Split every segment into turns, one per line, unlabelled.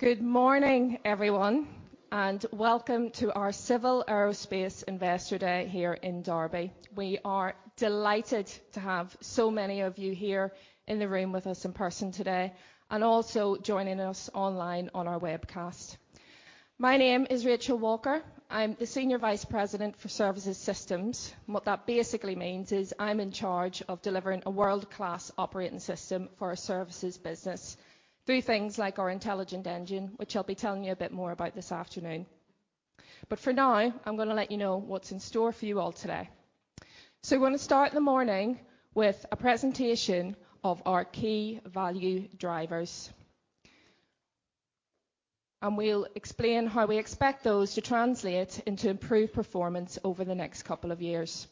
Good morning, everyone, and welcome to our Civil Aerospace Investor Day here in Derby. We are delighted to have so many of you here in the room with us in person today and also joining us online on our webcast. My name is Rachel Walker. I'm the Senior Vice President for Services Systems, and what that basically means is I'm in charge of delivering a world-class operating system for our services business through things like our IntelligentEngine, which I'll be telling you a bit more about this afternoon. For now, I'm gonna let you know what's in store for you all today. We wanna start the morning with a presentation of our key value drivers. We'll explain how we expect those to translate into improved performance over the next couple of years.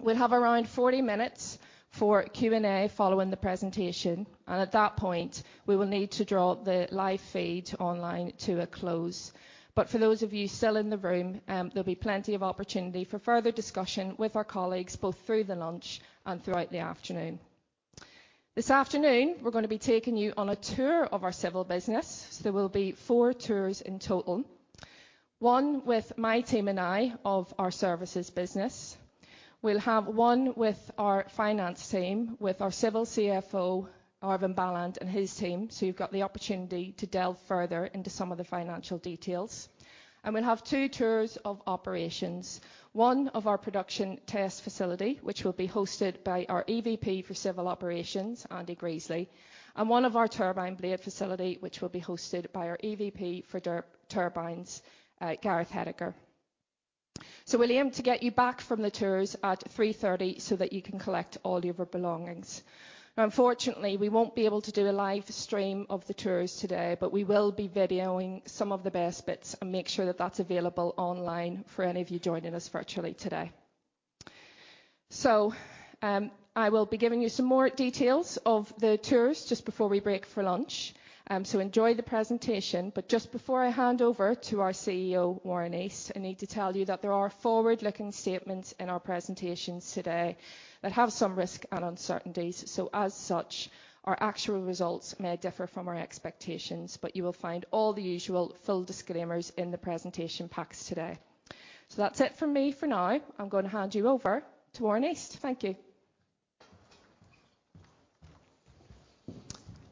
We'll have around 40 minutes for Q&A following the presentation, and at that point, we will need to draw the live feed online to a close. For those of you still in the room, there'll be plenty of opportunity for further discussion with our colleagues, both through the lunch and throughout the afternoon. This afternoon, we're gonna be taking you on a tour of our Civil business. There will be four tours in total. One with my team and I of our services business. We'll have one with our finance team, with our Civil CFO, Arvind Balan, and his team. You've got the opportunity to delve further into some of the financial details. We'll have two tours of operations. One of our production test facility, which will be hosted by our EVP for Civil Operations, Andy Greasley, and one of our turbine blade facility, which will be hosted by our EVP for Dir-Turbines, Gareth Hedicker. We'll aim to get you back from the tours at 3:30 P.M. so that you can collect all your belongings. Now, unfortunately, we won't be able to do a live stream of the tours today, but we will be videoing some of the best bits and make sure that that's available online for any of you joining us virtually today. I will be giving you some more details of the tours just before we break for lunch. Enjoy the presentation. Just before I hand over to our CEO, Warren East, I need to tell you that there are forward-looking statements in our presentations today that have some risk and uncertainties. As such, our actual results may differ from our expectations. You will find all the usual full disclaimers in the presentation packs today. That's it from me for now. I'm gonna hand you over to Warren East. Thank you.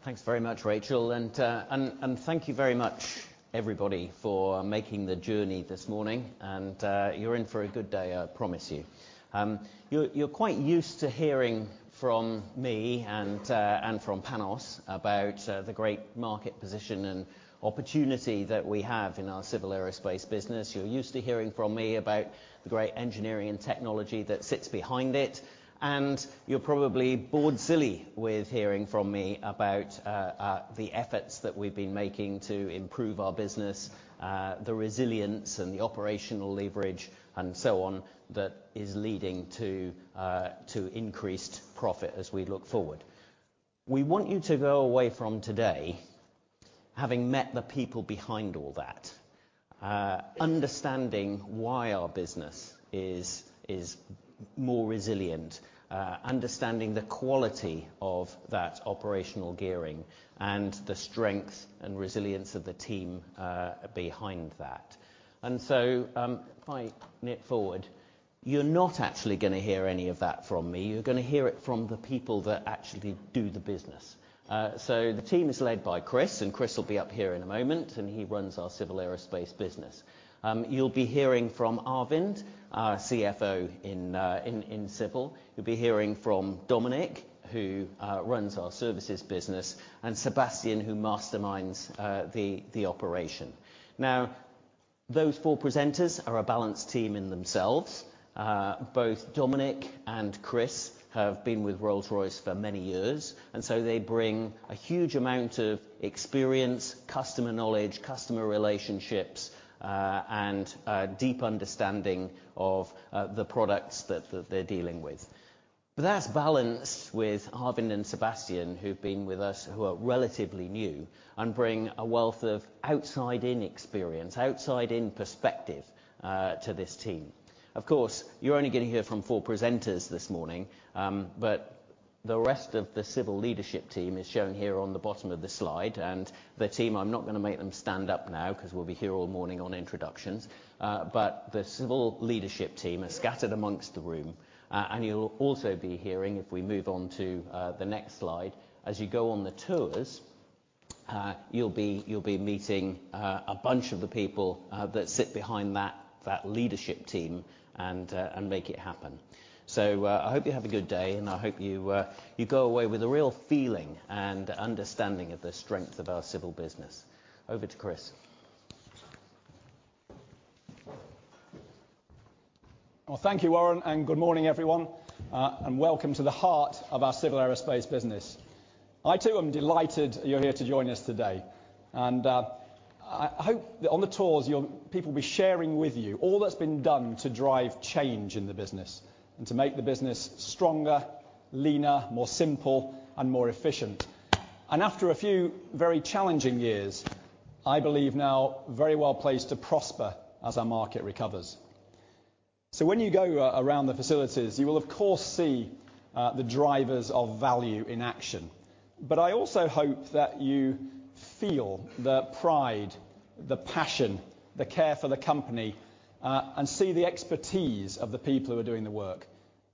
Thanks very much, Rachel. Thank you very much, everybody, for making the journey this morning, and you're in for a good day, I promise you. You're quite used to hearing from me and from Panos about the great market position and opportunity that we have in our Civil Aerospace business. You're used to hearing from me about the great engineering and technology that sits behind it, and you're probably bored silly with hearing from me about the efforts that we've been making to improve our business, the resilience and the operational leverage and so on that is leading to increased profit as we look forward. We want you to go away from today, having met the people behind all that, understanding why our business is more resilient, understanding the quality of that operational gearing and the strength and resilience of the team behind that. If I nip forward, you're not actually gonna hear any of that from me. You're gonna hear it from the people that actually do the business. The team is led by Chris, and Chris will be up here in a moment, and he runs our Civil Aerospace business. You'll be hearing from Arvind, our CFO in Civil. You'll be hearing from Dominic, who runs our services business, and Sebastian, who masterminds the operation. Now, those four presenters are a balanced team in themselves. Both Dominic and Chris have been with Rolls-Royce for many years, and so they bring a huge amount of experience, customer knowledge, customer relationships, and deep understanding of the products that they're dealing with. That's balanced with Arvind and Sebastian, who've been with us, who are relatively new and bring a wealth of outside-in experience, outside-in perspective to this team. Of course, you're only gonna hear from four presenters this morning, but the rest of the Civil leadership team is shown here on the bottom of the slide. The team, I'm not gonna make them stand up now 'cause we'll be here all morning on introductions. The Civil leadership team are scattered amongst the room. You'll also be hearing, if we move on to the next slide, as you go on the tours, you'll be meeting a bunch of the people that sit behind that leadership team and make it happen. I hope you have a good day, and I hope you go away with a real feeling and understanding of the strength of our Civil business. Over to Chris.
Well, thank you, Warren, and good morning, everyone, and welcome to the heart of our Civil Aerospace business. I, too, am delighted you're here to join us today. I hope that on the tours people will be sharing with you all that's been done to drive change in the business and to make the business stronger, leaner, more simple and more efficient. After a few very challenging years, I believe now very well placed to prosper as our market recovers. When you go around the facilities, you will of course see the drivers of value in action. I also hope that you feel the pride, the passion, the care for the company, and see the expertise of the people who are doing the work,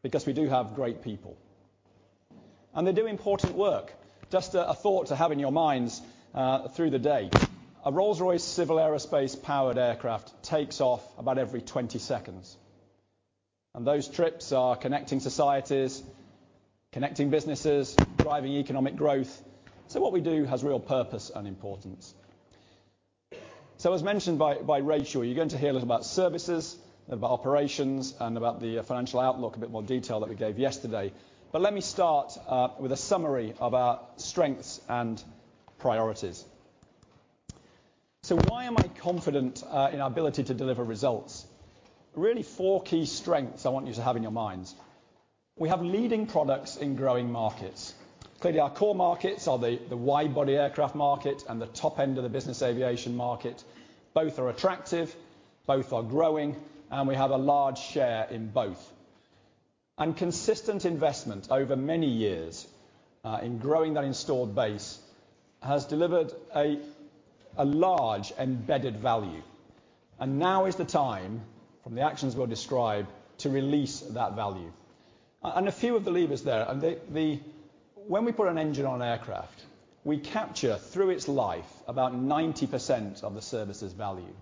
because we do have great people. They do important work. Just a thought to have in your minds through the day, a Rolls-Royce Civil Aerospace powered aircraft takes off about every 20 seconds, and those trips are connecting societies, connecting businesses, driving economic growth. What we do has real purpose and importance. As mentioned by Rachel, you're going to hear a little about services, about operations, and about the financial outlook, a bit more detail that we gave yesterday. Let me start with a summary of our strengths and priorities. Why am I confident in our ability to deliver results? Really four key strengths I want you to have in your minds. We have leading products in growing markets. Clearly, our core markets are the wide-body aircraft market and the top end of the business aviation market. Both are attractive, both are growing, and we have a large share in both. Consistent investment over many years in growing that installed base has delivered a large embedded value, and now is the time, from the actions we'll describe, to release that value. When we put an engine on aircraft, we capture through its life about 90% of the services value.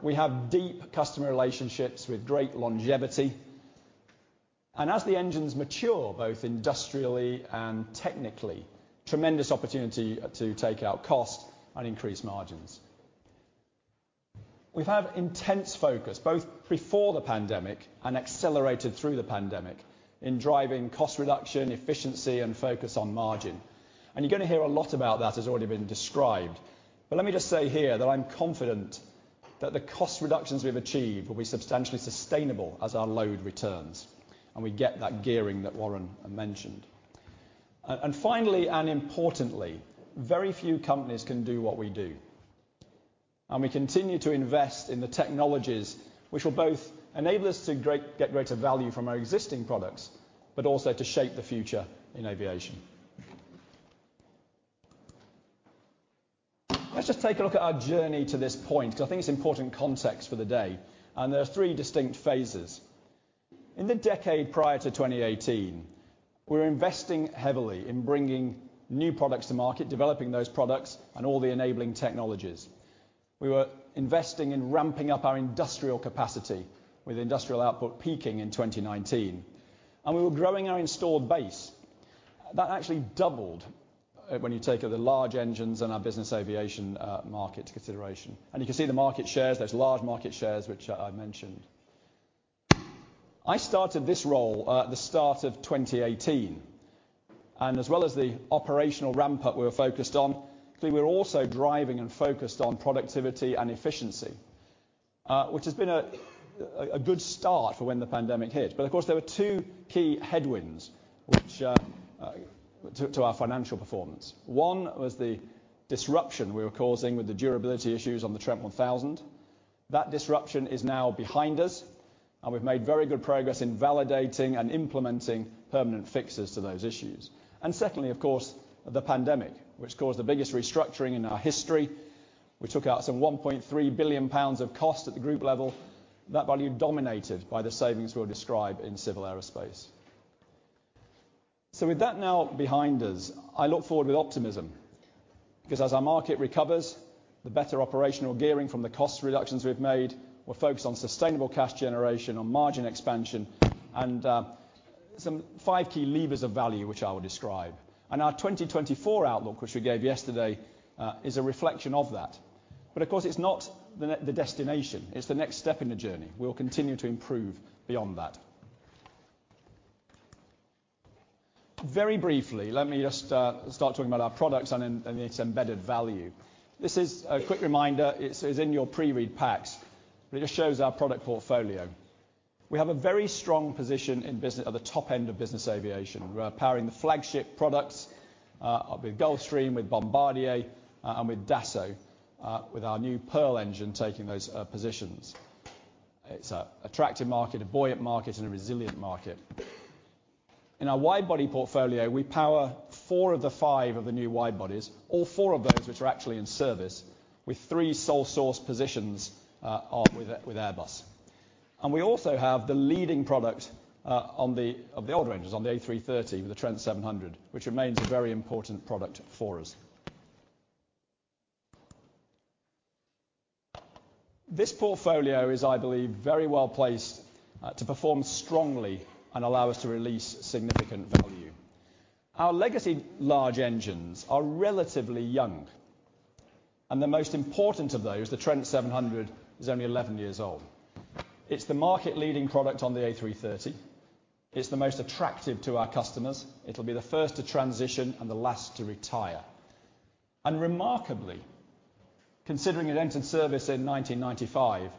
We have deep customer relationships with great longevity, and as the engines mature, both industrially and technically, tremendous opportunity to take out cost and increase margins. We've had intense focus both before the pandemic and accelerated through the pandemic in driving cost reduction, efficiency, and focus on margin. You're going to hear a lot about that as already been described. Let me just say here that I'm confident that the cost reductions we've achieved will be substantially sustainable as our load returns, and we get that gearing that Warren mentioned. Finally, and importantly, very few companies can do what we do. We continue to invest in the technologies which will both enable us to get greater value from our existing products, but also to shape the future in aviation. Let's just take a look at our journey to this point because I think it's important context for the day, and there are three distinct phases. In the decade prior to 2018, we were investing heavily in bringing new products to market, developing those products and all the enabling technologies. We were investing in ramping up our industrial capacity with industrial output peaking in 2019, and we were growing our installed base. That actually doubled, when you take the large engines and our business aviation, market consideration. You can see the market shares. There's large market shares, which I mentioned. I started this role at the start of 2018, and as well as the operational ramp-up we were focused on, we were also driving and focused on productivity and efficiency, which has been a good start for when the pandemic hit. Of course, there were two key headwinds which to our financial performance. One was the disruption we were causing with the durability issues on the Trent 1000. That disruption is now behind us, and we've made very good progress in validating and implementing permanent fixes to those issues. Secondly, of course, the pandemic, which caused the biggest restructuring in our history. We took out some 1.3 billion pounds of cost at the group level. That value dominated by the savings we'll describe in Civil Aerospace. With that now behind us, I look forward with optimism because as our market recovers, the better operational gearing from the cost reductions we've made, we're focused on sustainable cash generation on margin expansion and some five key levers of value which I will describe. Our 2024 outlook, which we gave yesterday, is a reflection of that. But of course, it's not the destination, it's the next step in the journey. We'll continue to improve beyond that. Very briefly, let me just start talking about our products and its embedded value. This is a quick reminder. It is in your pre-read packs, but it just shows our product portfolio. We have a very strong position in business at the top end of business aviation. We're powering the flagship products with Gulfstream, with Bombardier, and with Dassault with our new Pearl engine taking those positions. It's an attractive market, a buoyant market, and a resilient market. In our wide-body portfolio, we power four of the five new wide-bodies, all four of those which are actually in service, with three sole source positions, one with Airbus. We also have the leading product on the old ranges on the A330 with the Trent 700, which remains a very important product for us. This portfolio is, I believe, very well placed to perform strongly and allow us to release significant value. Our legacy large engines are relatively young, and the most important of those, the Trent 700, is only 11 years old. It's the market leading product on the A330. It's the most attractive to our customers. It'll be the first to transition and the last to retire. Remarkably, considering it entered service in 1995,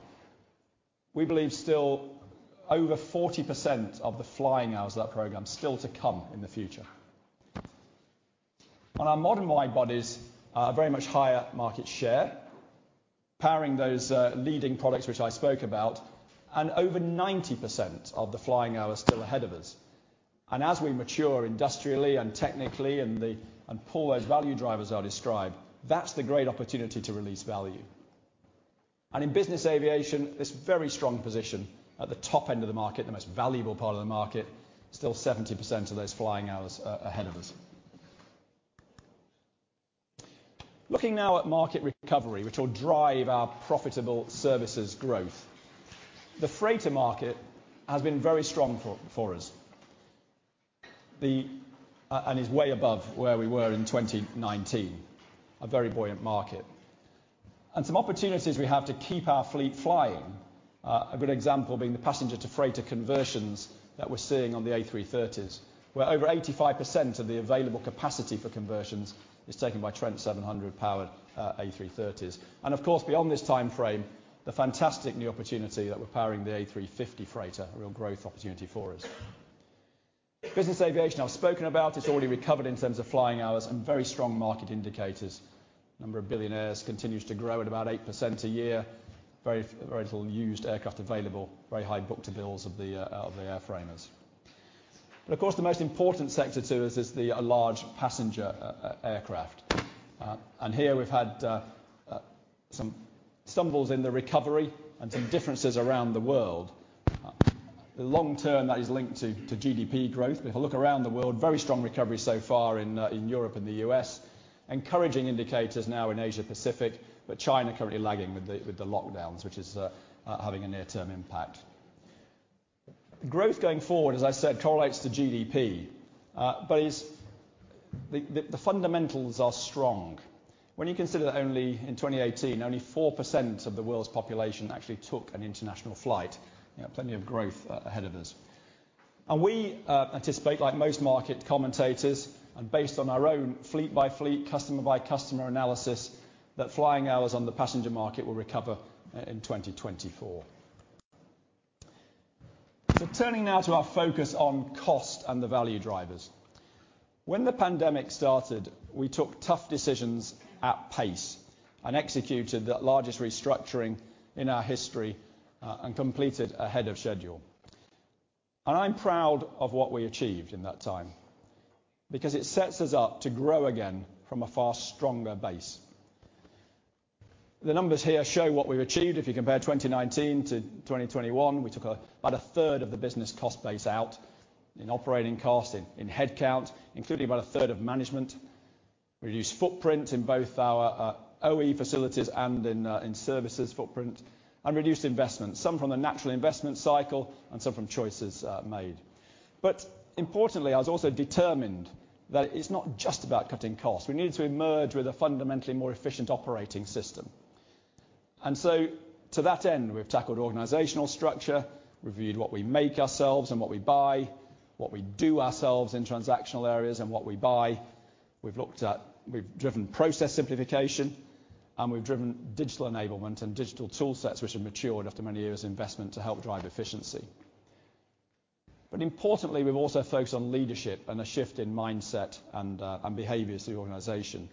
we believe still over 40% of the flying hours of that program still to come in the future. On our modern widebodies, a very much higher market share, powering those leading products which I spoke about, and over 90% of the flying hours still ahead of us. As we mature industrially and technically and pull those value drivers I describe, that's the great opportunity to release value. In business aviation, this very strong position at the top end of the market, the most valuable part of the market, still 70% of those flying hours ahead of us. Looking now at market recovery, which will drive our profitable services growth. The freighter market has been very strong for us. It is way above where we were in 2019, a very buoyant market. Some opportunities we have to keep our fleet flying, a good example being the passenger to freighter conversions that we're seeing on the A330s, where over 85% of the available capacity for conversions is taken by Trent 700 powered A330s. Of course, beyond this timeframe, the fantastic new opportunity that we're powering the A350 freighter, a real growth opportunity for us. Business aviation, I've spoken about. It's already recovered in terms of flying hours and very strong market indicators. Number of billionaires continues to grow at about 8% a year. Very little used aircraft available. Very high book-to-bill of the airframers. Of course, the most important sector to us is the large passenger aircraft. Here we've had some stumbles in the recovery and some differences around the world. The long-term that is linked to GDP growth. If I look around the world, very strong recovery so far in Europe and the U.S. Encouraging indicators now in Asia-Pacific, but China currently lagging with the lockdowns, which is having a near-term impact. Growth going forward, as I said, correlates to GDP, but the fundamentals are strong. When you consider that only in 2018, only 4% of the world's population actually took an international flight, you have plenty of growth ahead of us. We anticipate, like most market commentators and based on our own fleet by fleet, customer by customer analysis, that flying hours on the passenger market will recover in 2024. Turning now to our focus on cost and the value drivers. When the pandemic started, we took tough decisions at pace and executed the largest restructuring in our history, and completed ahead of schedule. I'm proud of what we achieved in that time because it sets us up to grow again from a far stronger base. The numbers here show what we've achieved. If you compare 2019 to 2021, we took about 1/3 of the business cost base out in operating costs, in headcount, including about 1/3 of management. Reduced footprint in both our OE facilities and in services footprint. Reduced investment, some from the natural investment cycle and some from choices made. Importantly, I was also determined that it's not just about cutting costs. We needed to emerge with a fundamentally more efficient operating system. To that end, we've tackled organizational structure, reviewed what we make ourselves and what we buy, what we do ourselves in transactional areas and what we buy. We've driven process simplification, and we've driven digital enablement and digital toolsets, which have matured after many years of investment to help drive efficiency. Importantly, we've also focused on leadership and a shift in mindset and behaviors through the organization.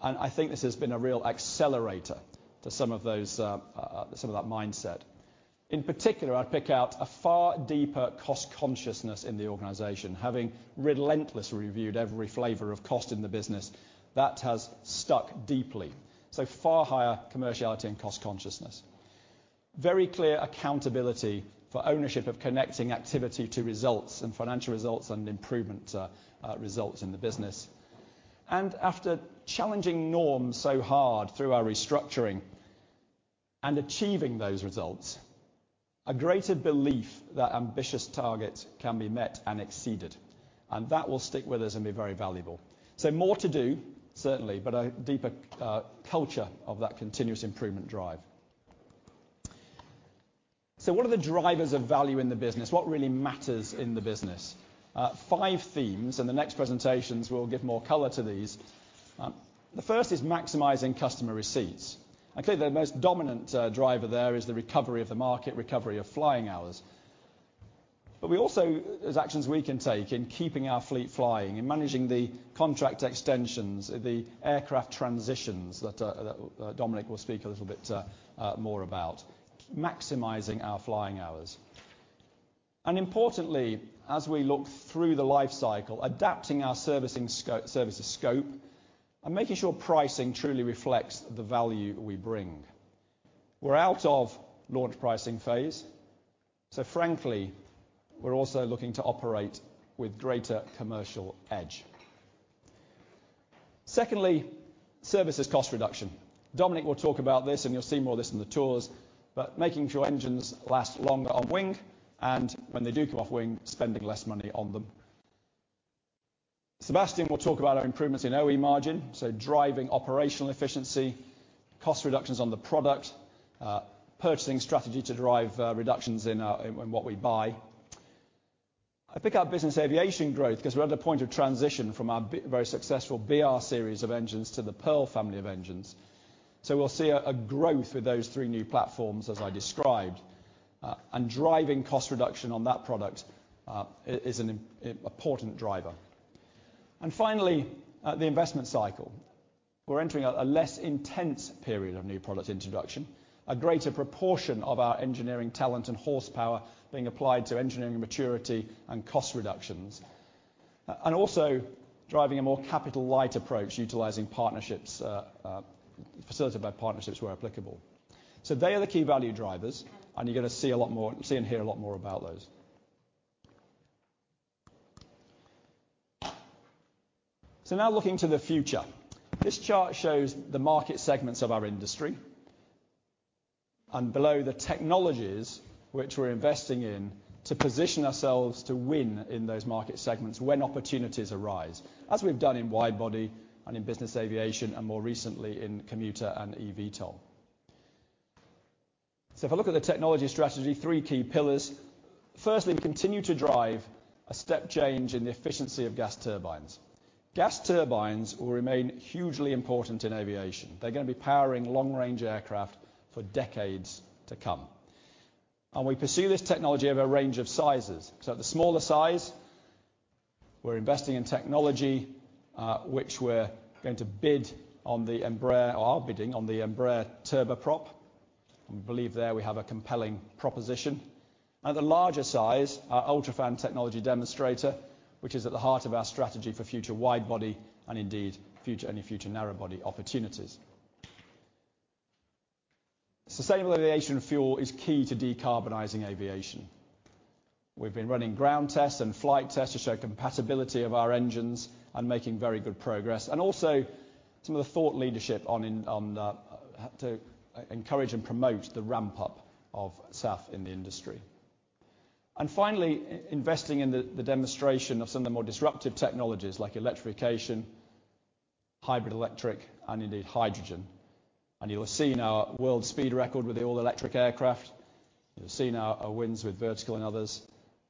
I think this has been a real accelerator to some of those, some of that mindset. In particular, I'd pick out a far deeper cost consciousness in the organization. Having relentlessly reviewed every flavor of cost in the business, that has stuck deeply. Far higher commerciality and cost consciousness. Very clear accountability for ownership of connecting activity to results and financial results and improvement, results in the business. After challenging norms so hard through our restructuring and achieving those results, a greater belief that ambitious targets can be met and exceeded, and that will stick with us and be very valuable. More to do, certainly, but a deeper culture of that continuous improvement drive. What are the drivers of value in the business? What really matters in the business? Five themes, and the next presentations will give more color to these. The first is maximizing customer receipts. Clearly, the most dominant driver there is the recovery of the market, recovery of flying hours. We also, there are actions we can take in keeping our fleet flying, in managing the contract extensions, the aircraft transitions that Dominic will speak a little bit more about. Maximizing our flying hours. Importantly, as we look through the life cycle, adapting our services scope and making sure pricing truly reflects the value we bring. We're out of launch pricing phase, so frankly, we're also looking to operate with greater commercial edge. Secondly, services cost reduction. Dominic will talk about this, and you'll see more of this in the tours, but making sure engines last longer on wing, and when they do come off wing, spending less money on them. Sebastian will talk about our improvements in OE margin, so driving operational efficiency, cost reductions on the product, purchasing strategy to drive reductions in what we buy. I pick our business aviation growth 'cause we're at a point of transition from our very successful BR series of engines to the Pearl family of engines. We'll see a growth with those three new platforms as I described. Driving cost reduction on that product is an important driver. Finally, the investment cycle. We're entering a less intense period of new product introduction. A greater proportion of our engineering talent and horsepower being applied to engineering maturity and cost reductions. Also driving a more capital-light approach utilizing partnerships, facilitated by partnerships where applicable. They are the key value drivers, and you're gonna see a lot more, see and hear a lot more about those. Now looking to the future. This chart shows the market segments of our industry. Below, the technologies which we're investing in to position ourselves to win in those market segments when opportunities arise, as we've done in widebody and in business aviation, and more recently in commuter and EVTOL. If I look at the technology strategy, three key pillars. Firstly, we continue to drive a step change in the efficiency of gas turbines. Gas turbines will remain hugely important in aviation. They're gonna be powering long-range aircraft for decades to come. We pursue this technology over a range of sizes. At the smaller size, we're investing in technology which we are bidding on the Embraer turboprop. We believe there we have a compelling proposition. At the larger size, our UltraFan technology demonstrator, which is at the heart of our strategy for future widebody and indeed future, any future narrow-body opportunities. Sustainable aviation fuel is key to decarbonizing aviation. We've been running ground tests and flight tests to show compatibility of our engines and making very good progress. Also some of the thought leadership to encourage and promote the ramp up of SAF in the industry. Finally, investing in the demonstration of some of the more disruptive technologies like electrification, hybrid electric, and indeed hydrogen. You'll have seen our world speed record with the all-electric aircraft. You'll have seen our wins with Vertical and others.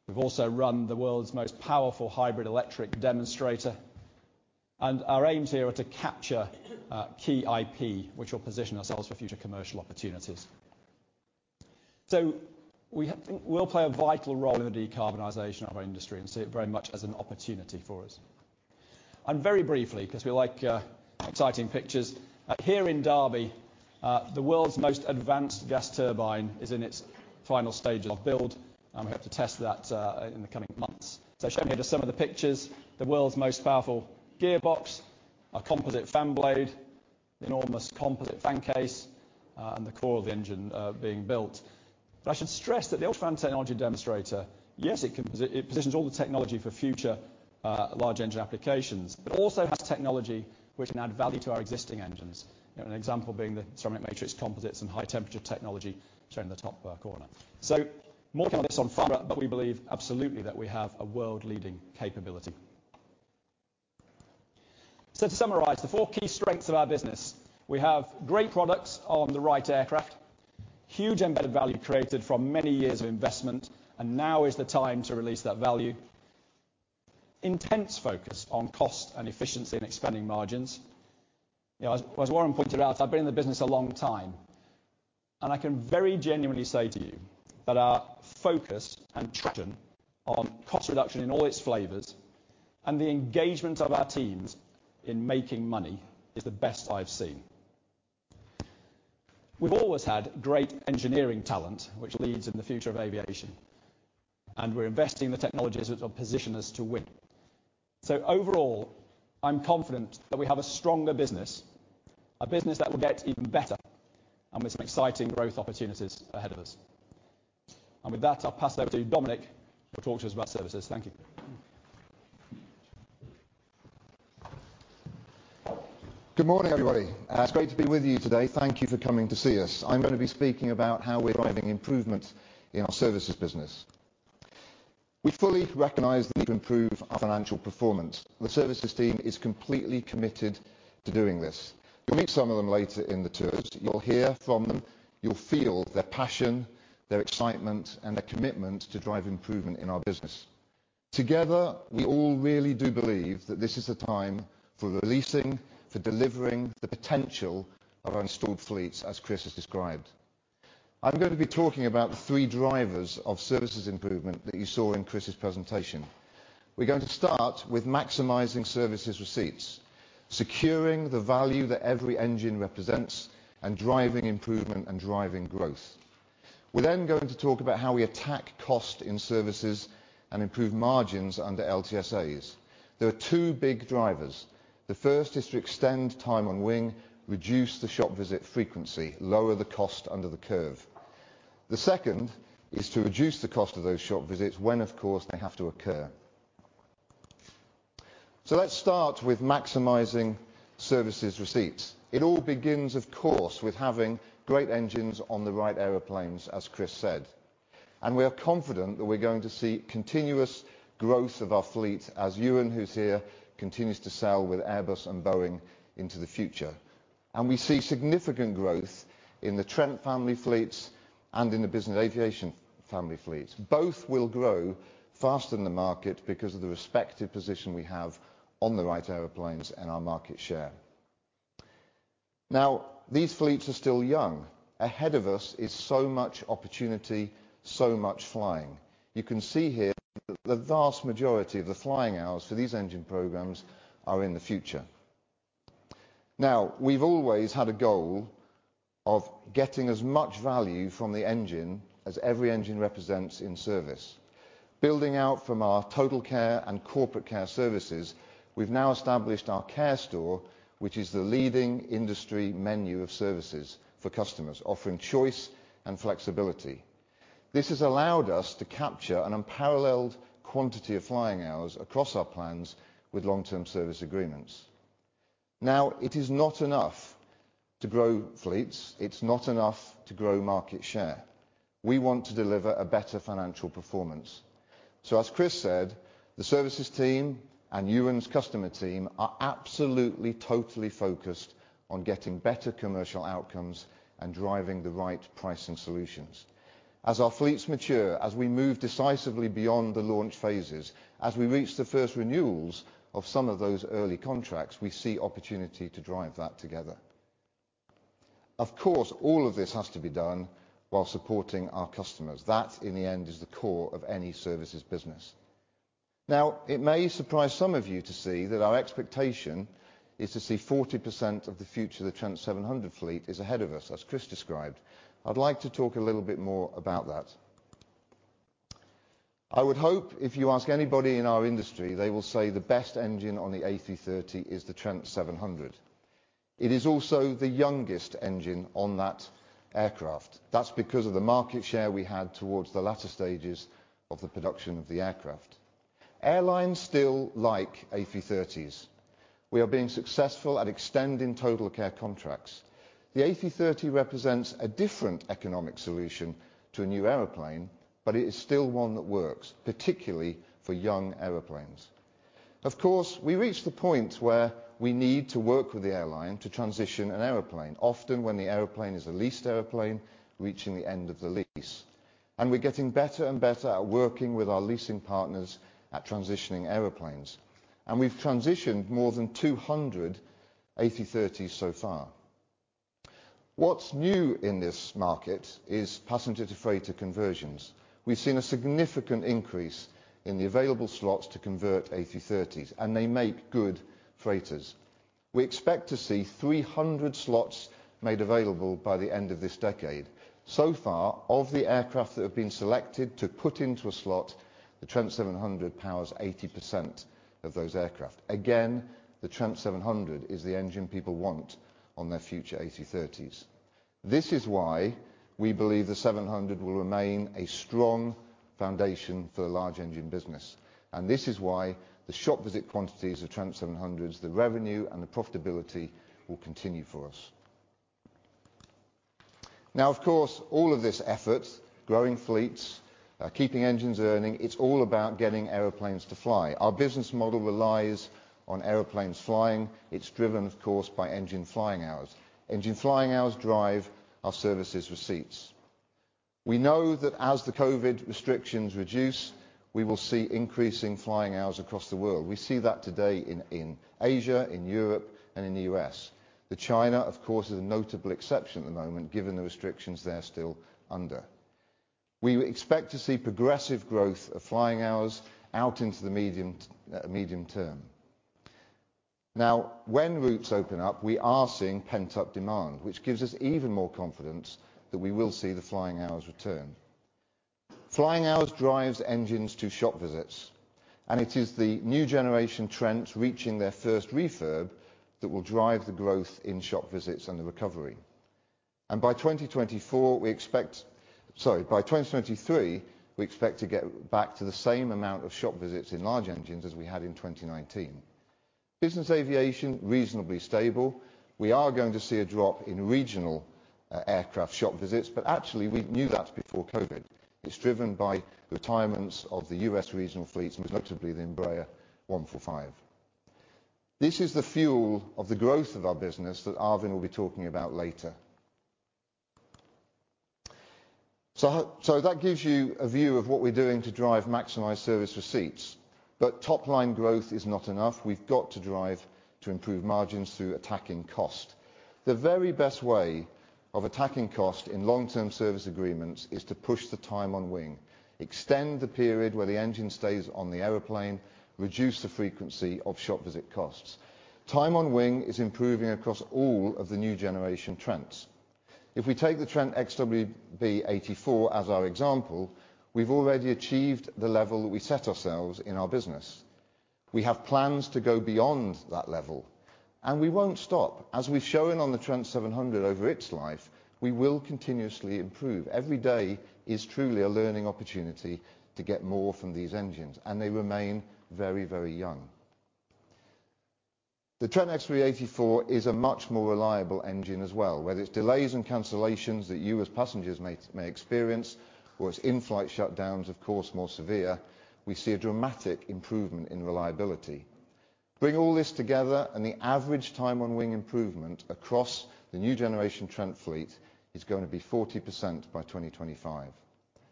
We've also run the world's most powerful hybrid electric demonstrator, and our aims here are to capture key IP, which will position ourselves for future commercial opportunities. We think we'll play a vital role in the decarbonization of our industry and see it very much as an opportunity for us. Very briefly, 'cause we like exciting pictures. Here in Derby, the world's most advanced gas turbine is in its final stages of build, and we have to test that in the coming months. Shown here just some of the pictures, the world's most powerful gearbox, a composite fan blade, the enormous composite fan case, and the core of the engine being built. I should stress that the UltraFan technology demonstrator, yes, it positions all the technology for future large engine applications, but also has technology which can add value to our existing engines. You know, an example being the ceramic matrix composites and high temperature technology shown in the top corner. More on this on Friday, but we believe absolutely that we have a world-leading capability. To summarize, the four key strengths of our business, we have great products on the right aircraft. Huge embedded value created from many years of investment, and now is the time to release that value. Intense focus on cost and efficiency in expanding margins. You know, as Warren pointed out, I've been in the business a long time, and I can very genuinely say to you that our focus and traction on cost reduction in all its flavors and the engagement of our teams in making money is the best I've seen. We've always had great engineering talent, which leads in the future of aviation, and we're investing in the technologies which will position us to win. Overall, I'm confident that we have a stronger business, a business that will get even better and with some exciting growth opportunities ahead of us. With that, I'll pass over to Dominic, who will talk to us about services. Thank you.
Good morning, everybody. It's great to be with you today. Thank you for coming to see us. I'm gonna be speaking about how we're driving improvements in our services business. We fully recognize the need to improve our financial performance. The services team is completely committed to doing this. You'll meet some of them later in the tours. You'll hear from them, you'll feel their passion, their excitement, and their commitment to drive improvement in our business. Together, we all really do believe that this is the time for releasing, for delivering the potential of our installed fleets, as Chris has described. I'm going to be talking about the three drivers of services improvement that you saw in Chris's presentation. We're going to start with maximizing services receipts, securing the value that every engine represents, and driving improvement and driving growth. We're going to talk about how we attack cost in services and improve margins under LTSAs. There are two big drivers. The first is to extend time on wing, reduce the shop visit frequency, lower the cost under the curve. The second is to reduce the cost of those shop visits when, of course, they have to occur. Let's start with maximizing services receipts. It all begins, of course, with having great engines on the right airplanes, as Chris said. We are confident that we're going to see continuous growth of our fleet as Ewen, who's here, continues to sell with Airbus and Boeing into the future. We see significant growth in the Trent family fleets and in the business aviation family fleets. Both will grow faster than the market because of the respective position we have on the right airplanes and our market share. Now, these fleets are still young. Ahead of us is so much opportunity, so much flying. You can see here that the vast majority of the flying hours for these engine programs are in the future. Now, we've always had a goal of getting as much value from the engine as every engine represents in service. Building out from our TotalCare and CorporateCare services, we've now established our CareStore, which is the leading industry menu of services for customers offering choice and flexibility. This has allowed us to capture an unparalleled quantity of flying hours across our plans with long-term service agreements. Now, it is not enough to grow fleets. It's not enough to grow market share. We want to deliver a better financial performance. As Chris said, the services team and Ewan's customer team are absolutely, totally focused on getting better commercial outcomes and driving the right pricing solutions. As our fleets mature, as we move decisively beyond the launch phases, as we reach the first renewals of some of those early contracts, we see opportunity to drive that together. Of course, all of this has to be done while supporting our customers. That, in the end, is the core of any services business. Now, it may surprise some of you to see that our expectation is to see 40% of the future of the Trent 700 fleet is ahead of us, as Chris described. I'd like to talk a little bit more about that. I would hope if you ask anybody in our industry, they will say the best engine on the A330 is the Trent 700. It is also the youngest engine on that aircraft. That's because of the market share we had towards the latter stages of the production of the aircraft. Airlines still like A330s. We are being successful at extending TotalCare contracts. The A330 represents a different economic solution to a new airplane, but it is still one that works, particularly for young airplanes. Of course, we reach the point where we need to work with the airline to transition an airplane, often when the airplane is a leased airplane reaching the end of the lease. We're getting better and better at working with our leasing partners at transitioning airplanes. We've transitioned more than 200 A330s so far. What's new in this market is passenger-to-freighter conversions. We've seen a significant increase in the available slots to convert A330s, and they make good freighters. We expect to see 300 slots made available by the end of this decade. So far, of the aircraft that have been selected to put into a slot, the Trent 700 powers 80% of those aircraft. Again, the Trent 700 is the engine people want on their future A330s. This is why we believe the 700 will remain a strong foundation for the large engine business. This is why the shop visit quantities of Trent 700s, the revenue and the profitability will continue for us. Now, of course, all of this effort, growing fleets, keeping engines earning, it's all about getting airplanes to fly. Our business model relies on airplanes flying. It's driven, of course, by engine flying hours. Engine flying hours drive our services receipts. We know that as the COVID restrictions reduce, we will see increasing flying hours across the world. We see that today in Asia, in Europe, and in the U.S. That China, of course, is a notable exception at the moment, given the restrictions they're still under. We expect to see progressive growth of flying hours out into the medium term. Now, when routes open up, we are seeing pent-up demand, which gives us even more confidence that we will see the flying hours return. Flying hours drives engines to shop visits, and it is the new generation Trent reaching their first refurb that will drive the growth in shop visits and the recovery. By 2023, we expect to get back to the same amount of shop visits in large engines as we had in 2019. Business aviation, reasonably stable. We are going to see a drop in regional aircraft shop visits, but actually, we knew that before COVID. It's driven by retirements of the U.S. regional fleets, most notably the Embraer 145. This is the fuel of the growth of our business that Arvind will be talking about later. That gives you a view of what we're doing to drive maximized service receipts. Top-line growth is not enough. We've got to drive to improve margins through attacking cost. The very best way of attacking cost in long-term service agreements is to push the time on wing, extend the period where the engine stays on the airplane, reduce the frequency of shop visit costs. Time on wing is improving across all of the new generation Trents. If we take the Trent XWB-84 as our example, we've already achieved the level that we set ourselves in our business. We have plans to go beyond that level, and we won't stop. As we've shown on the Trent 700 over its life, we will continuously improve. Every day is truly a learning opportunity to get more from these engines, and they remain very, very young. The Trent XWB-84 is a much more reliable engine as well, whether it's delays and cancellations that you as passengers may experience, or it's in-flight shutdowns, of course, more severe. We see a dramatic improvement in reliability. Bring all this together, and the average time on wing improvement across the new generation Trent fleet is going to be 40% by 2025,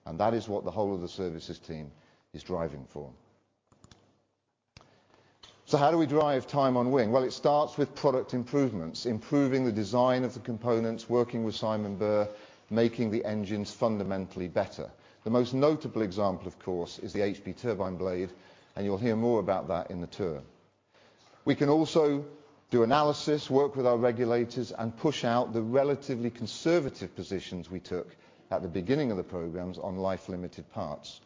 and that is what the whole of the services team is driving for. How do we drive time on wing? Well, it starts with product improvements, improving the design of the components, working with Simon Burr, making the engines fundamentally better. The most notable example, of course, is the HP turbine blade, and you'll hear more about that in the tour. We can also do analysis, work with our regulators, and push out the relatively conservative positions we took at the beginning of the programs on life-limited parts.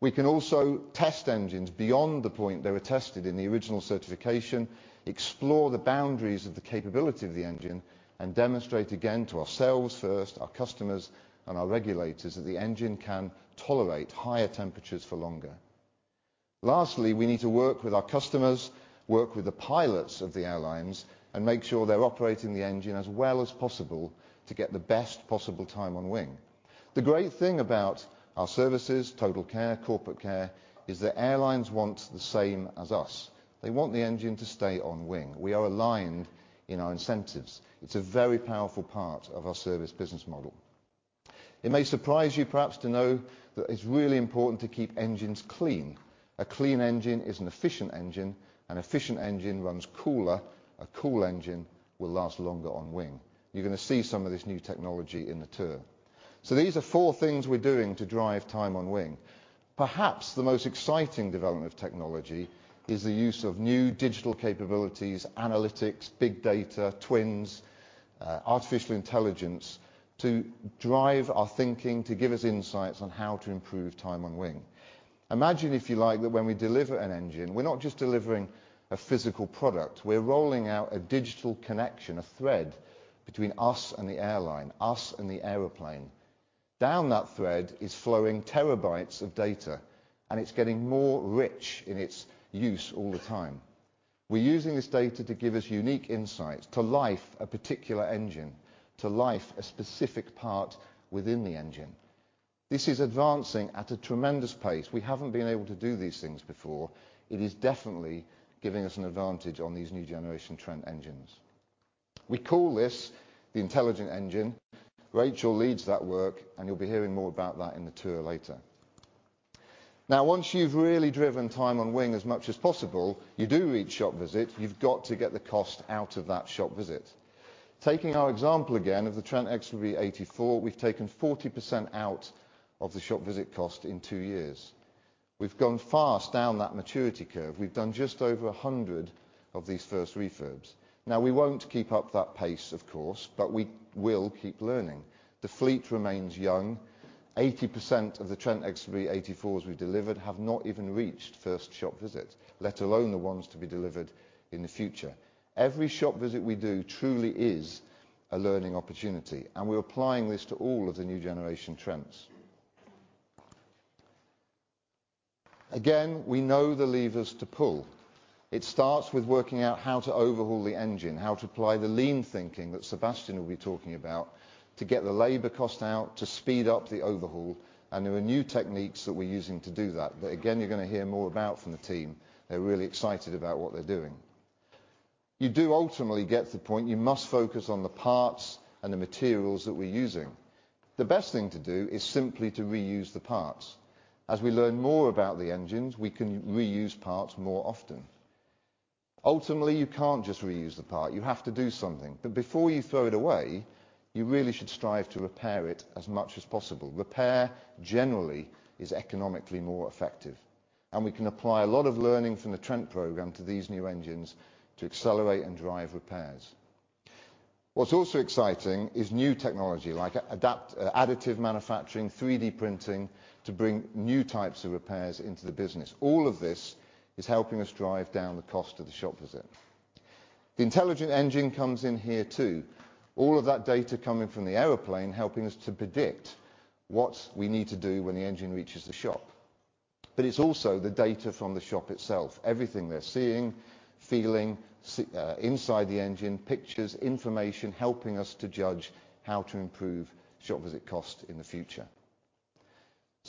We can also test engines beyond the point they were tested in the original certification, explore the boundaries of the capability of the engine, and demonstrate again to ourselves first, our customers and our regulators that the engine can tolerate higher temperatures for longer. Lastly, we need to work with our customers, work with the pilots of the airlines, and make sure they're operating the engine as well as possible to get the best possible time on wing. The great thing about our services, TotalCare, CorporateCare, is that airlines want the same as us. They want the engine to stay on wing. We are aligned in our incentives. It's a very powerful part of our service business model. It may surprise you perhaps to know that it's really important to keep engines clean. A clean engine is an efficient engine. An efficient engine runs cooler. A cool engine will last longer on wing. You're going to see some of this new technology in the tour. These are four things we're doing to drive time on wing. Perhaps the most exciting development of technology is the use of new digital capabilities, analytics, big data, twins, artificial intelligence to drive our thinking, to give us insights on how to improve time on wing. Imagine, if you like, that when we deliver an engine, we're not just delivering a physical product. We're rolling out a digital connection, a thread between us and the airline, us and the airplane. Down that thread is flowing terabytes of data, and it's getting more rich in its use all the time. We're using this data to give us unique insight to lifing a particular engine, to lifing a specific part within the engine. This is advancing at a tremendous pace. We haven't been able to do these things before. It is definitely giving us an advantage on these new generation Trent engines. We call this the IntelligentEngine. Rachel leads that work, and you'll be hearing more about that in the tour later. Now, once you've really driven time on wing as much as possible, you do reach shop visit. You've got to get the cost out of that shop visit. Taking our example again of the Trent XWB-84, we've taken 40% out of the shop visit cost in two years. We've gone fast down that maturity curve. We've done just over 100 of these first refurbs. Now, we won't keep up that pace, of course, but we will keep learning. The fleet remains young. 80% of the Trent XWB-84s we've delivered have not even reached first shop visit, let alone the ones to be delivered in the future. Every shop visit we do truly is a learning opportunity, and we're applying this to all of the new generation Trents. Again, we know the levers to pull. It starts with working out how to overhaul the engine, how to apply the Lean thinking that Sebastian will be talking about to get the labor cost out to speed up the overhaul. There are new techniques that we're using to do that again you're going to hear more about from the team. They're really excited about what they're doing. You do ultimately get to the point you must focus on the parts and the materials that we're using. The best thing to do is simply to reuse the parts. As we learn more about the engines, we can reuse parts more often. Ultimately, you can't just reuse the part. You have to do something. But before you throw it away, you really should strive to repair it as much as possible. Repair generally is economically more effective, and we can apply a lot of learning from the Trent program to these new engines to accelerate and drive repairs. What's also exciting is new technology like additive manufacturing, 3D printing to bring new types of repairs into the business. All of this is helping us drive down the cost of the shop visit. The IntelligentEngine comes in here too. All of that data coming from the airplane helping us to predict what we need to do when the engine reaches the shop. It's also the data from the shop itself. Everything they're seeing, feeling, inside the engine, pictures, information, helping us to judge how to improve shop visit cost in the future.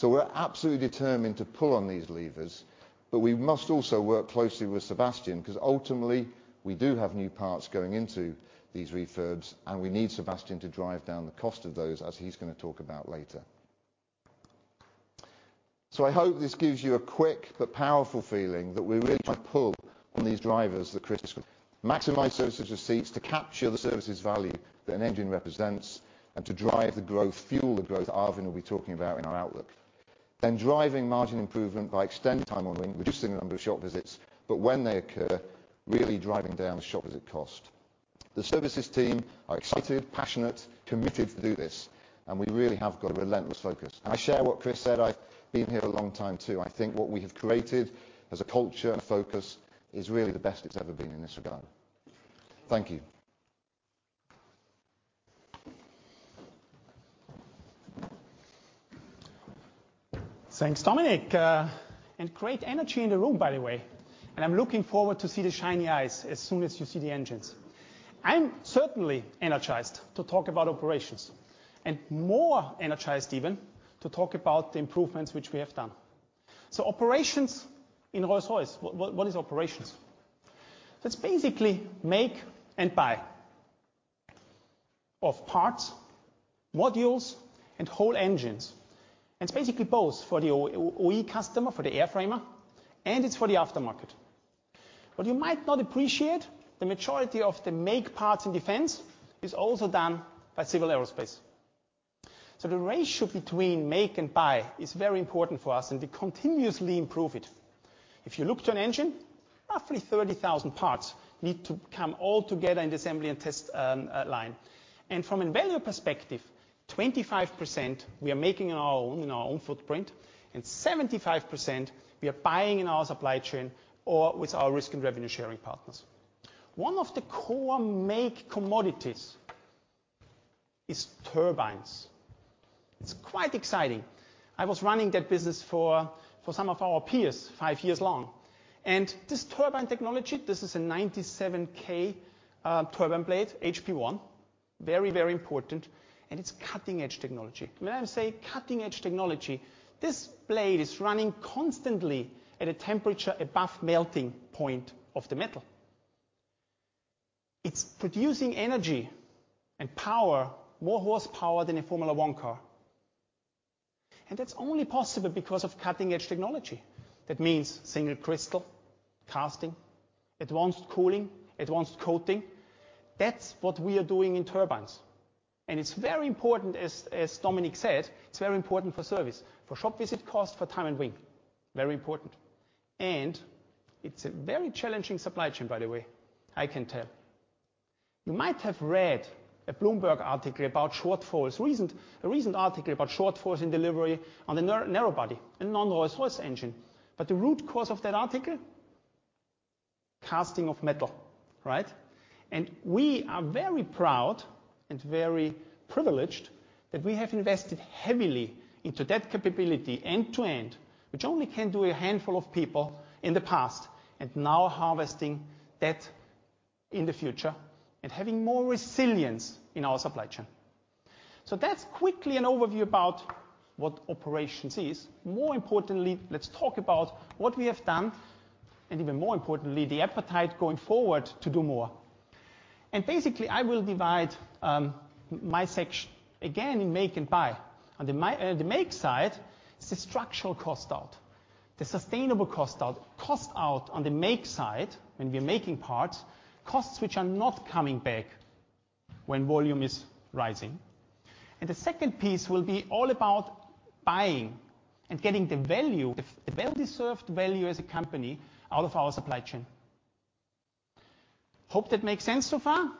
We're absolutely determined to pull on these levers, but we must also work closely with Sebastian because ultimately we do have new parts going into these refurbs, and we need Sebastian to drive down the cost of those, as he's going to talk about later. I hope this gives you a quick but powerful feeling that we really try to pull on these drivers that Chris described. Maximize services receipts to capture the services value that an engine represents and to drive the growth, fuel the growth Arvind will be talking about in our outlook. Driving margin improvement by extending time on wing, reducing the number of shop visits, but when they occur, really driving down the shop visit cost. The services team are excited, passionate, committed to do this, and we really have got a relentless focus. I share what Chris said. I've been here a long time, too. I think what we have created as a culture and focus is really the best it's ever been in this regard. Thank you.
Thanks, Dominic. Great energy in the room, by the way, and I'm looking forward to see the shiny eyes as soon as you see the engines. I'm certainly energized to talk about operations. More energized even to talk about the improvements which we have done. Operations in Rolls-Royce. What is operations? That's basically make and buy of parts, modules, and whole engines. It's basically both for the OE customer, for the airframer, and it's for the aftermarket. What you might not appreciate, the majority of the make parts in defense is also done by Civil Aerospace. The ratio between make and buy is very important for us and we continuously improve it. If you look to an engine, roughly 30,000 parts need to come all together in the assembly and test line. From a value perspective, 25% we are making on our own, in our own footprint, and 75% we are buying in our supply chain or with our risk and revenue-sharing partners. One of the core make commodities is turbines. It's quite exciting. I was running that business for some of our peers five years long. This turbine technology, this is a 97K turbine blade, HP1, very, very important, and it's cutting-edge technology. When I say cutting-edge technology, this blade is running constantly at a temperature above melting point of the metal. It's producing energy and power, more horsepower than a Formula One car. That's only possible because of cutting-edge technology. That means single crystal, casting, advanced cooling, advanced coating. That's what we are doing in turbines. It's very important as Dominic said. It's very important for service, for shop visit cost, for time on wing. Very important. It's a very challenging supply chain, by the way, I can tell. You might have read a Bloomberg article about shortfalls. A recent article about shortfalls in delivery on the narrow body and non-Rolls-Royce engine. But the root cause of that article, casting of metal, right? We are very proud and very privileged that we have invested heavily into that capability end to end, which only a handful of people can do in the past, and now harvesting that in the future and having more resilience in our supply chain. That's quickly an overview about what operations is. More importantly, let's talk about what we have done and even more importantly, the appetite going forward to do more. Basically, I will divide my section again in make and buy. On the make side is the structural cost out. The sustainable cost out. Cost out on the make side, when we are making parts, costs which are not coming back when volume is rising. The second piece will be all about buying and getting the value, the well-deserved value as a company out of our supply chain. Hope that makes sense so far.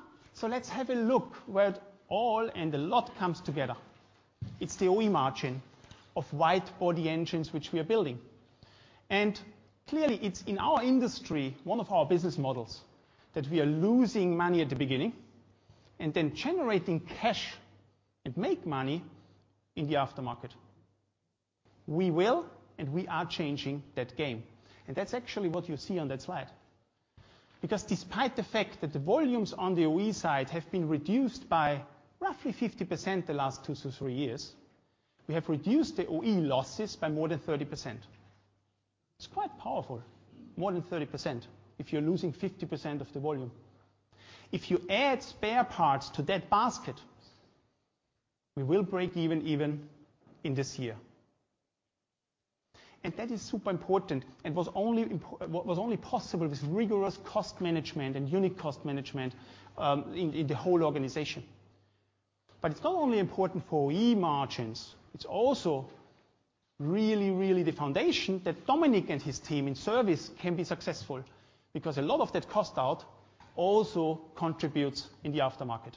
Let's have a look where it all and a lot comes together. It's the OE margin of wide-body engines which we are building. Clearly it's in our industry, one of our business models that we are losing money at the beginning and then generating cash and make money in the aftermarket. We will and we are changing that game, and that's actually what you see on that slide. Because despite the fact that the volumes on the OE side have been reduced by roughly 50% the last two-three years, we have reduced the OE losses by more than 30%. It's quite powerful, more than 30% if you're losing 50% of the volume. If you add spare parts to that basket, we will break even in this year. That is super important and what was only possible with rigorous cost management and unique cost management in the whole organization. It's not only important for OE margins, it's also really, really the foundation that Dominic and his team in service can be successful because a lot of that cost out also contributes in the aftermarket.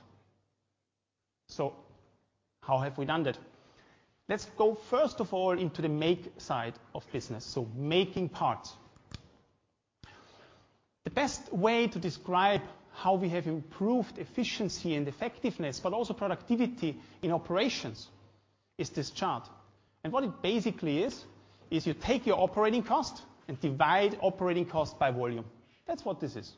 How have we done that? Let's go first of all into the make side of business, so making parts. The best way to describe how we have improved efficiency and effectiveness, but also productivity in operations is this chart. What it basically is you take your operating cost and divide operating cost by volume. That's what this is.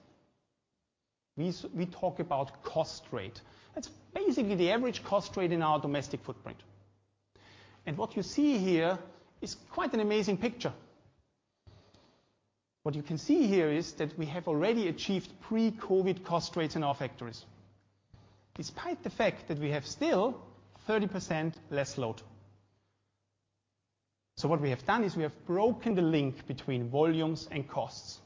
We talk about cost rate. That's basically the average cost rate in our domestic footprint. What you see here is quite an amazing picture. What you can see here is that we have already achieved pre-COVID cost rates in our factories despite the fact that we have still 30% less load. What we have done is we have broken the link between volumes and costs.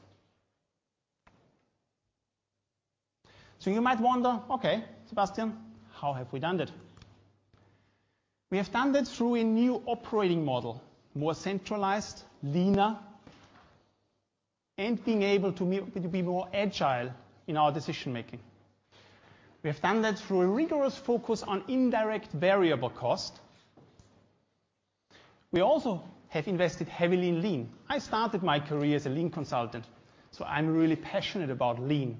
You might wonder, "Okay, Sebastian, how have we done that?" We have done that through a new operating model, more centralized, leaner, and being able to be, to be more agile in our decision-making. We have done that through a rigorous focus on indirect variable cost. We also have invested heavily in Lean. I started my career as a Lean consultant, so I'm really passionate about Lean.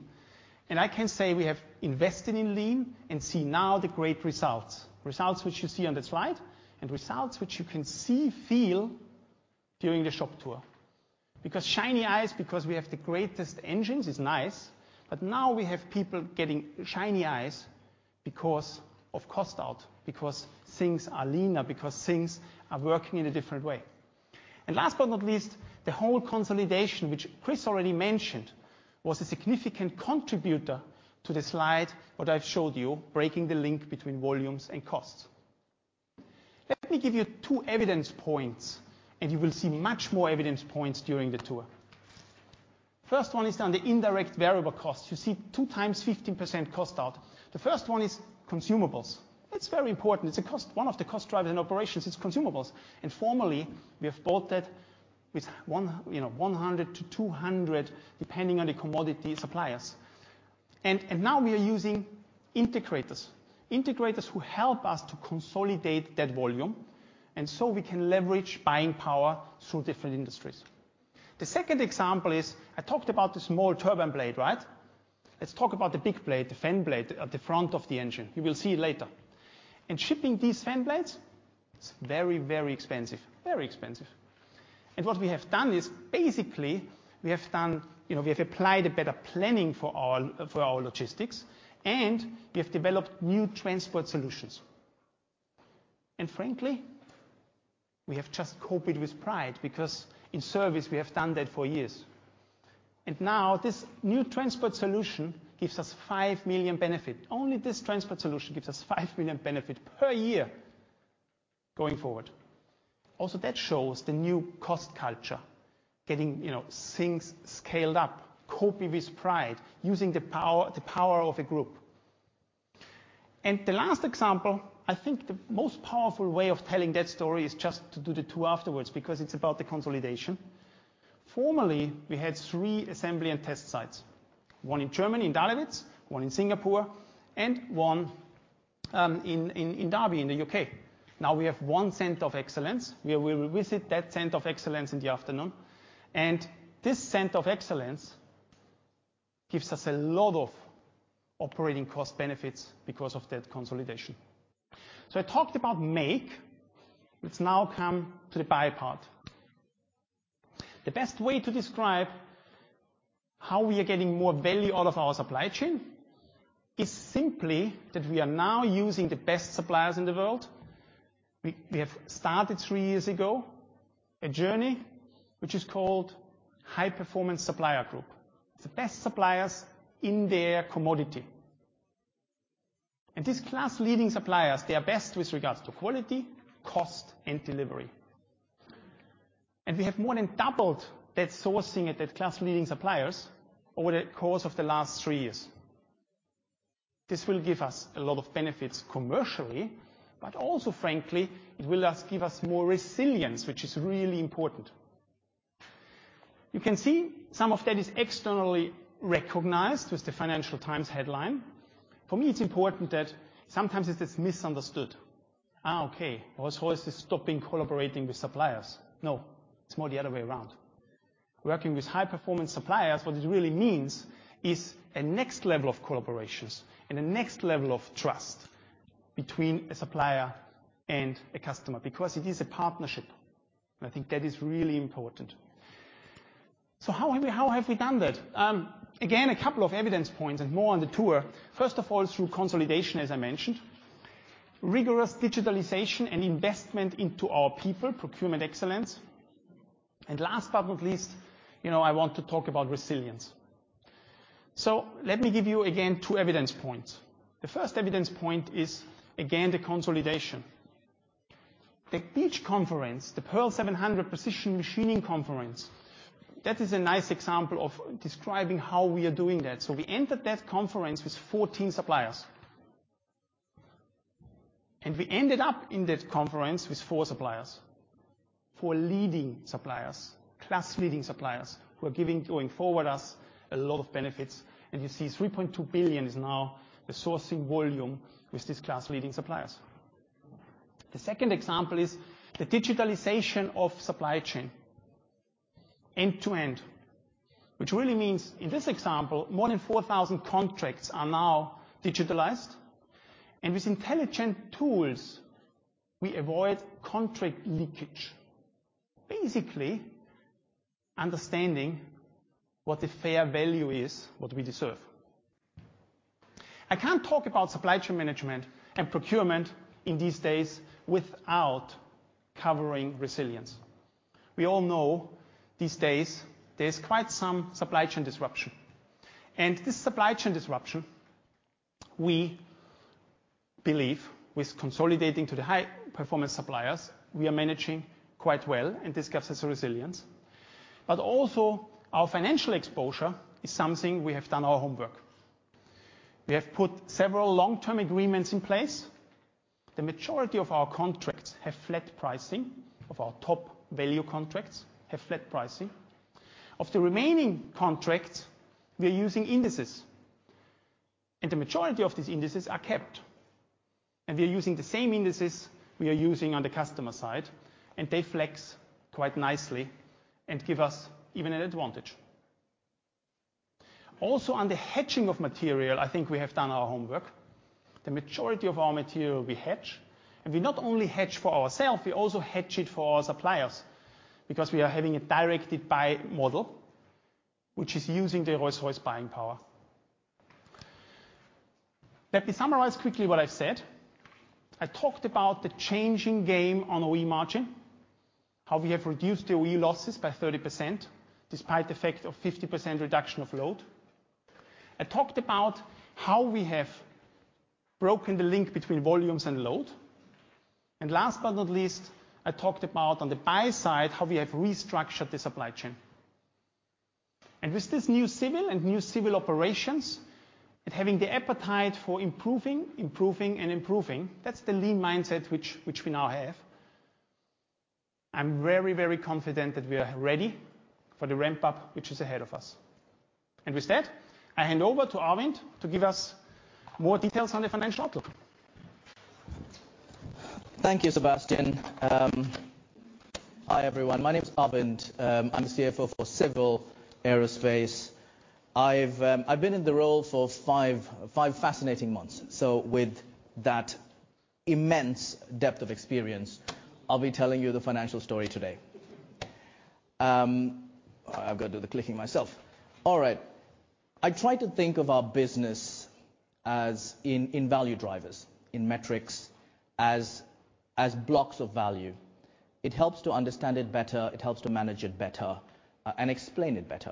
I can say we have invested in Lean and see now the great results. Results which you see on the slide and results which you can see during the shop tour. Because shiny eyes, because we have the greatest engines is nice, but now we have people getting shiny eyes because of cost out, because things are leaner, because things are working in a different way. Last but not least, the whole consolidation, which Chris already mentioned, was a significant contributor to the slide that I've showed you, breaking the link between volumes and costs. Let me give you two evidence points, and you will see much more evidence points during the tour. First one is on the indirect variable costs. You see 2x 15% cost-out. The first one is consumables. It's very important. It's a cost. One of the cost drivers in operations is consumables. Formerly, we have bought that with one, you know, 100-200, depending on the commodity suppliers. Now we are using integrators. Integrators who help us to consolidate that volume, and so we can leverage buying power through different industries. The second example is I talked about the small turbine blade, right? Let's talk about the big blade, the fan blade at the front of the engine. You will see later. Shipping these fan blades, it's very, very expensive. Very expensive. What we have done is basically, you know, we have applied a better planning for our logistics, and we have developed new transport solutions. Frankly, we have just copied with pride because in service we have done that for years. Now this new transport solution gives us 5 million benefit. Only this transport solution gives us 5 million benefit per year going forward. Also, that shows the new cost culture, getting, you know, things scaled up, copy with pride, using the power of a group. The last example, I think the most powerful way of telling that story is just to do the tour afterwards because it's about the consolidation. Formerly, we had three assembly and test sites. One in Germany, in Dahlewitz, one in Singapore, and one in Derby in the U.K. Now we have one Centre of Excellence, where we will visit that Centre of Excellence in the afternoon. This Centre of Excellence gives us a lot of operating cost benefits because of that consolidation. I talked about make. Let's now come to the buy part. The best way to describe how we are getting more value out of our supply chain is simply that we are now using the best suppliers in the world. We have started three years ago a journey which is called High Performance Supplier Group. It's the best suppliers in their commodity. These class-leading suppliers, they are best with regards to quality, cost, and delivery. We have more than doubled that sourcing at that class-leading suppliers over the course of the last three years. This will give us a lot of benefits commercially, but also, frankly, it will give us more resilience, which is really important. You can see some of that is externally recognized with the Financial Times headline. For me, it's important that sometimes it is misunderstood. "Ah, okay. Rolls-Royce is stopping collaborating with suppliers." No, it's more the other way around. Working with high-performance suppliers, what it really means is a next level of collaborations and a next level of trust between a supplier and a customer, because it is a partnership. I think that is really important. How have we done that? Again, a couple of evidence points and more on the tour. First of all, through consolidation, as I mentioned. Rigorous digitalization and investment into our people, procurement excellence. Last but not least, you know, I want to talk about resilience. Let me give you again two evidence points. The first evidence point is again, the consolidation. The PEACH conference, the Pearl 700 Precision Machining conference, that is a nice example of describing how we are doing that. We entered that conference with 14 suppliers. We ended up in that conference with four suppliers. Four leading suppliers, class-leading suppliers, who are giving, going forward us a lot of benefits. You see 3.2 billion is now the sourcing volume with these class-leading suppliers. The second example is the digitalization of supply chain end to end. Which really means, in this example, more than 4,000 contracts are now digitalized. With intelligent tools, we avoid contract leakage. Basically, understanding what a fair value is, what we deserve. I can't talk about supply chain management and procurement in these days without covering resilience. We all know these days there's quite some supply chain disruption. This supply chain disruption, we believe with consolidating to the high-performance suppliers, we are managing quite well, and this gives us a resilience. Also our financial exposure is something we have done our homework. We have put several long-term agreements in place. The majority of our contracts have flat pricing, of our top value contracts have flat pricing. Of the remaining contracts, we are using indices, and the majority of these indices are kept. We are using the same indices we are using on the customer side, and they flex quite nicely and give us even an advantage. Also, on the hedging of material, I think we have done our homework. The majority of our material we hedge, and we not only hedge for ourself, we also hedge it for our suppliers because we are having a directed buy model, which is using the Rolls-Royce buying power. Let me summarize quickly what I've said. I talked about the changing game on OE margin, how we have reduced OE losses by 30% despite the effect of 50% reduction of load. I talked about how we have broken the link between volumes and load. Last but not least, I talked about on the buy side, how we have restructured the supply chain. With this new Civil and new Civil operations and having the appetite for improving, that's the Lean mindset which we now have. I'm very, very confident that we are ready for the ramp-up, which is ahead of us. With that, I hand over to Arvind to give us more details on the financial outlook.
Thank you, Sebastian. Hi, everyone. My name is Arvind. I'm the CFO for Civil Aerospace. I've been in the role for five fascinating months. With that immense depth of experience, I'll be telling you the financial story today. I've got to do the clicking myself. All right. I try to think of our business as value drivers in metrics as blocks of value. It helps to understand it better, it helps to manage it better, and explain it better.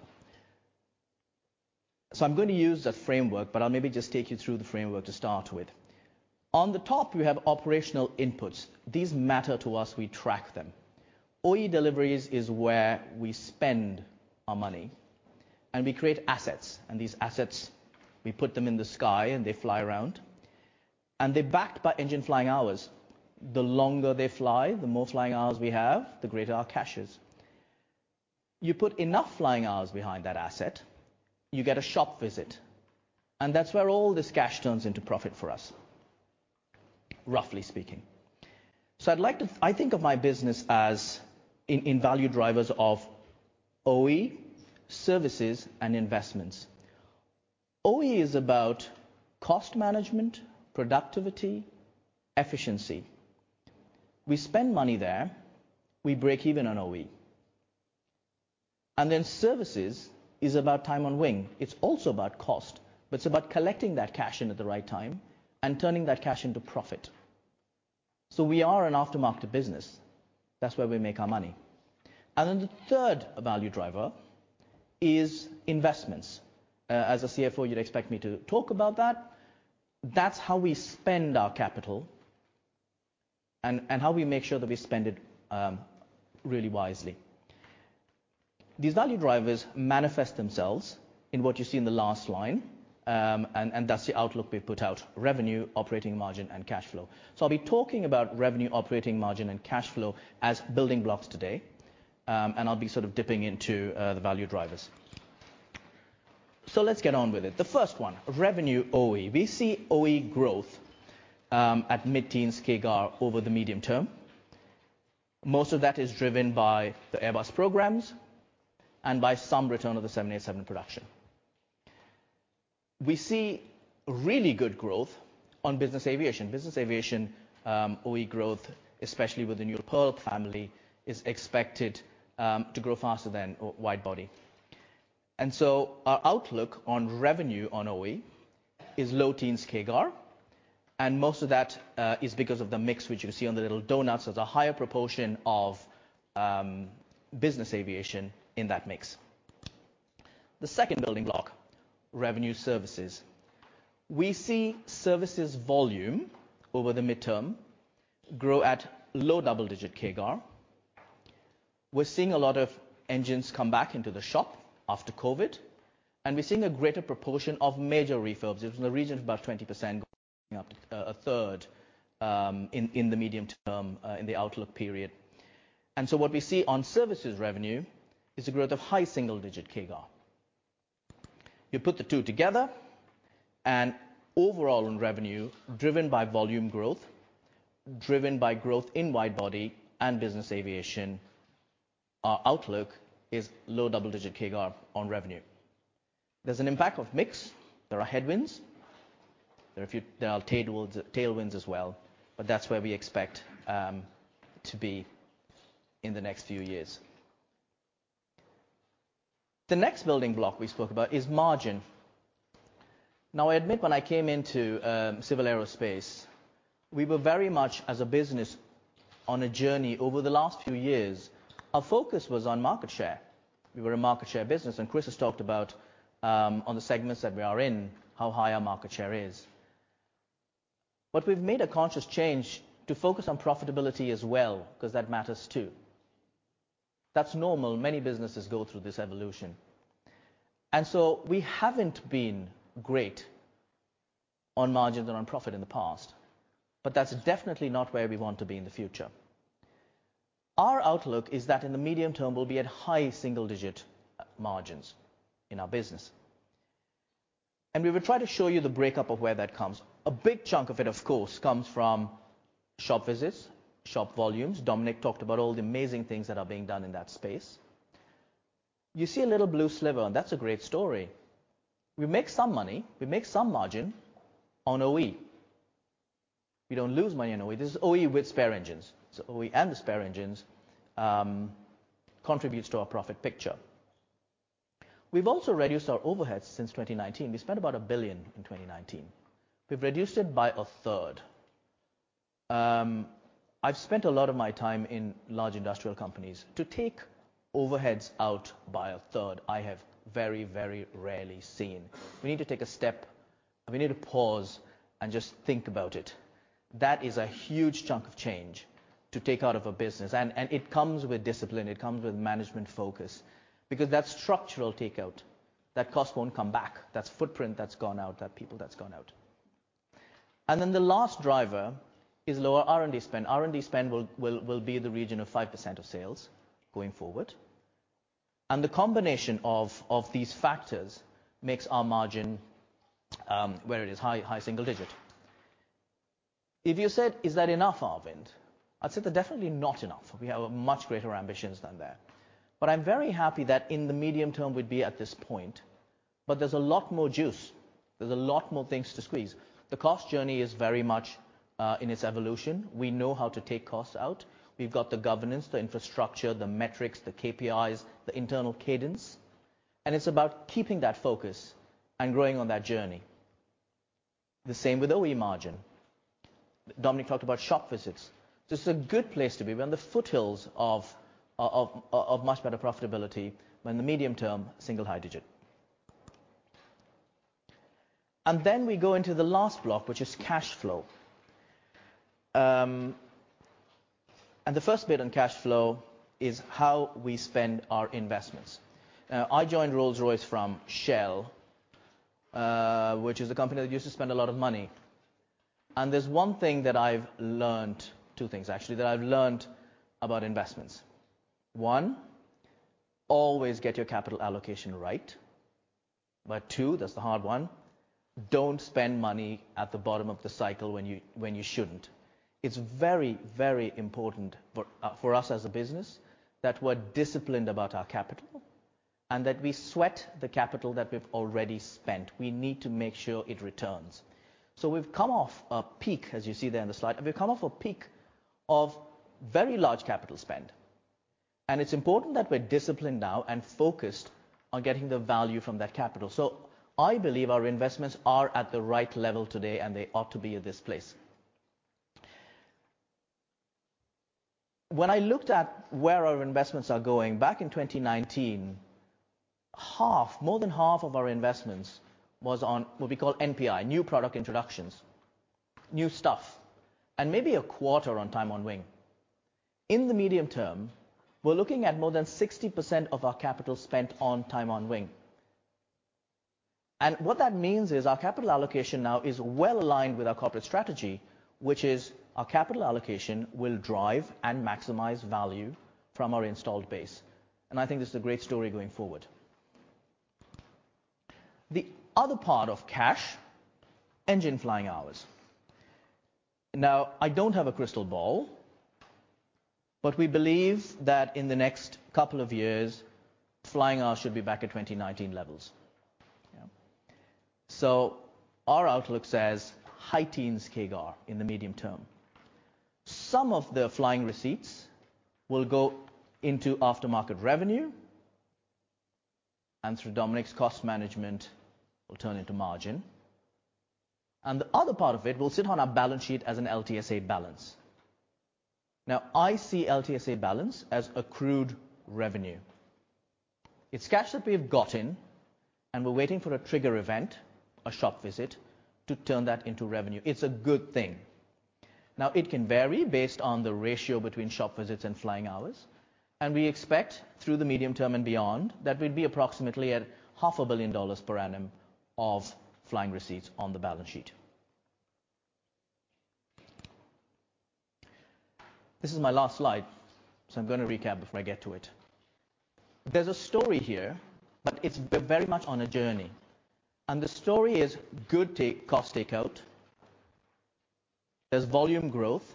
I'm going to use the framework, but I'll maybe just take you through the framework to start with. On the top, we have operational inputs. These matter to us, we track them. OE deliveries is where we spend our money, and we create assets. These assets, we put them in the sky and they fly around, and they're backed by engine flying hours. The longer they fly, the more flying hours we have, the greater our cash is. You put enough flying hours behind that asset, you get a shop visit, and that's where all this cash turns into profit for us, roughly speaking. I think of my business as in value drivers of OE, services, and investments. OE is about cost management, productivity, efficiency. We spend money there, we break even on OE. Then services is about time on wing. It's also about cost, but it's about collecting that cash in at the right time and turning that cash into profit. We are an aftermarket business. That's where we make our money. Then the third value driver is investments. As a CFO, you'd expect me to talk about that. That's how we spend our capital and how we make sure that we spend it really wisely. These value drivers manifest themselves in what you see in the last line, and that's the outlook we put out, revenue, operating margin, and cash flow. I'll be talking about revenue, operating margin, and cash flow as building blocks today, and I'll be sort of dipping into the value drivers. Let's get on with it. The first one, revenue OE. We see OE growth at mid-teens CAGR over the medium term. Most of that is driven by the Airbus programs and by some return of the 787 production. We see really good growth on business aviation. Business aviation, OE growth, especially with the new Pearl family, is expected to grow faster than widebody. Our outlook on revenue on OE is low teens CAGR, and most of that is because of the mix which you see on the little donuts. There's a higher proportion of business aviation in that mix. The second building block, revenue services. We see services volume over the midterm grow at low double-digit CAGR. We're seeing a lot of engines come back into the shop after COVID, and we're seeing a greater proportion of major refurbs. It was in the region of about 20% going up to a third in the medium term in the outlook period. What we see on services revenue is a growth of high single-digit CAGR. You put the two together and overall on revenue driven by volume growth, driven by growth in widebody and business aviation, our outlook is low double-digit CAGR on revenue. There's an impact of mix. There are headwinds. There are tailwinds as well, but that's where we expect to be in the next few years. The next building block we spoke about is margin. Now, I admit when I came into Civil Aerospace, we were very much as a business on a journey over the last few years. Our focus was on market share. We were a market share business, and Chris has talked about on the segments that we are in, how high our market share is. But we've made a conscious change to focus on profitability as well, 'cause that matters, too. That's normal. Many businesses go through this evolution. We haven't been great on margins and on profit in the past, but that's definitely not where we want to be in the future. Our outlook is that in the medium term, we'll be at high single-digit margins in our business. We will try to show you the breakup of where that comes. A big chunk of it, of course, comes from shop visits, shop volumes. Dominic talked about all the amazing things that are being done in that space. You see a little blue sliver, and that's a great story. We make some money, we make some margin on OE. We don't lose money on OE. This is OE with spare engines. OE and the spare engines contributes to our profit picture. We've also reduced our overheads since 2019. We spent about 1 billion in 2019. We've reduced it by a third. I've spent a lot of my time in large industrial companies. To take overheads out by a third, I have very, very rarely seen. We need to take a step. We need to pause and just think about it. That is a huge chunk of change to take out of a business, and it comes with discipline, it comes with management focus, because that's structural takeout. That cost won't come back. That's footprint that's gone out, that people that's gone out. Then the last driver is lower R&D spend. R&D spend will be in the region of 5% of sales going forward. The combination of these factors makes our margin where it is high single digit. If you said, "Is that enough, Arvind?" I'd say they're definitely not enough. We have much greater ambitions than that. I'm very happy that in the medium term we'd be at this point. There's a lot more juice. There's a lot more things to squeeze. The cost journey is very much in its evolution. We know how to take costs out. We've got the governance, the infrastructure, the metrics, the KPIs, the internal cadence, and it's about keeping that focus and growing on that journey. The same with OE margin. Dominic talked about shop visits. This is a good place to be. We're on the foothills of much better profitability when the medium term single high digit. We go into the last block, which is cash flow. The first bit on cash flow is how we spend our investments. I joined Rolls-Royce from Shell, which is a company that used to spend a lot of money. There's one thing that I've learned, two things actually, that I've learned about investments. One, always get your capital allocation right. Two, that's the hard one, don't spend money at the bottom of the cycle when you shouldn't. It's very, very important for us as a business that we're disciplined about our capital and that we sweat the capital that we've already spent. We need to make sure it returns. We've come off a peak, as you see there on the slide. We've come off a peak of very large capital spend, and it's important that we're disciplined now and focused on getting the value from that capital. I believe our investments are at the right level today, and they ought to be at this place. When I looked at where our investments are going back in 2019, half, more than half of our investments was on what we call NPI, new product introductions, new stuff, and maybe a quarter on time on wing. In the medium term, we're looking at more than 60% of our capital spent on time on wing. What that means is our capital allocation now is well aligned with our corporate strategy, which is our capital allocation will drive and maximize value from our installed base. I think this is a great story going forward. The other part of cash, engine flying hours. Now, I don't have a crystal ball, but we believe that in the next couple of years, flying hours should be back at 2019 levels. Yeah. Our outlook says high teens CAGR in the medium term. Some of the flying receipts will go into aftermarket revenue, and through Dominic's cost management will turn into margin. The other part of it will sit on our balance sheet as an LTSA balance. Now, I see LTSA balance as accrued revenue. It's cash that we have got in, and we're waiting for a trigger event, a shop visit, to turn that into revenue. It's a good thing. Now, it can vary based on the ratio between shop visits and flying hours, and we expect through the medium term and beyond, that we'd be approximately at GBP 500 million per annum of flying receipts on the balance sheet. This is my last slide, so I'm going to recap before I get to it. There's a story here, but it's very much on a journey, and the story is good cost takeout. There's volume growth.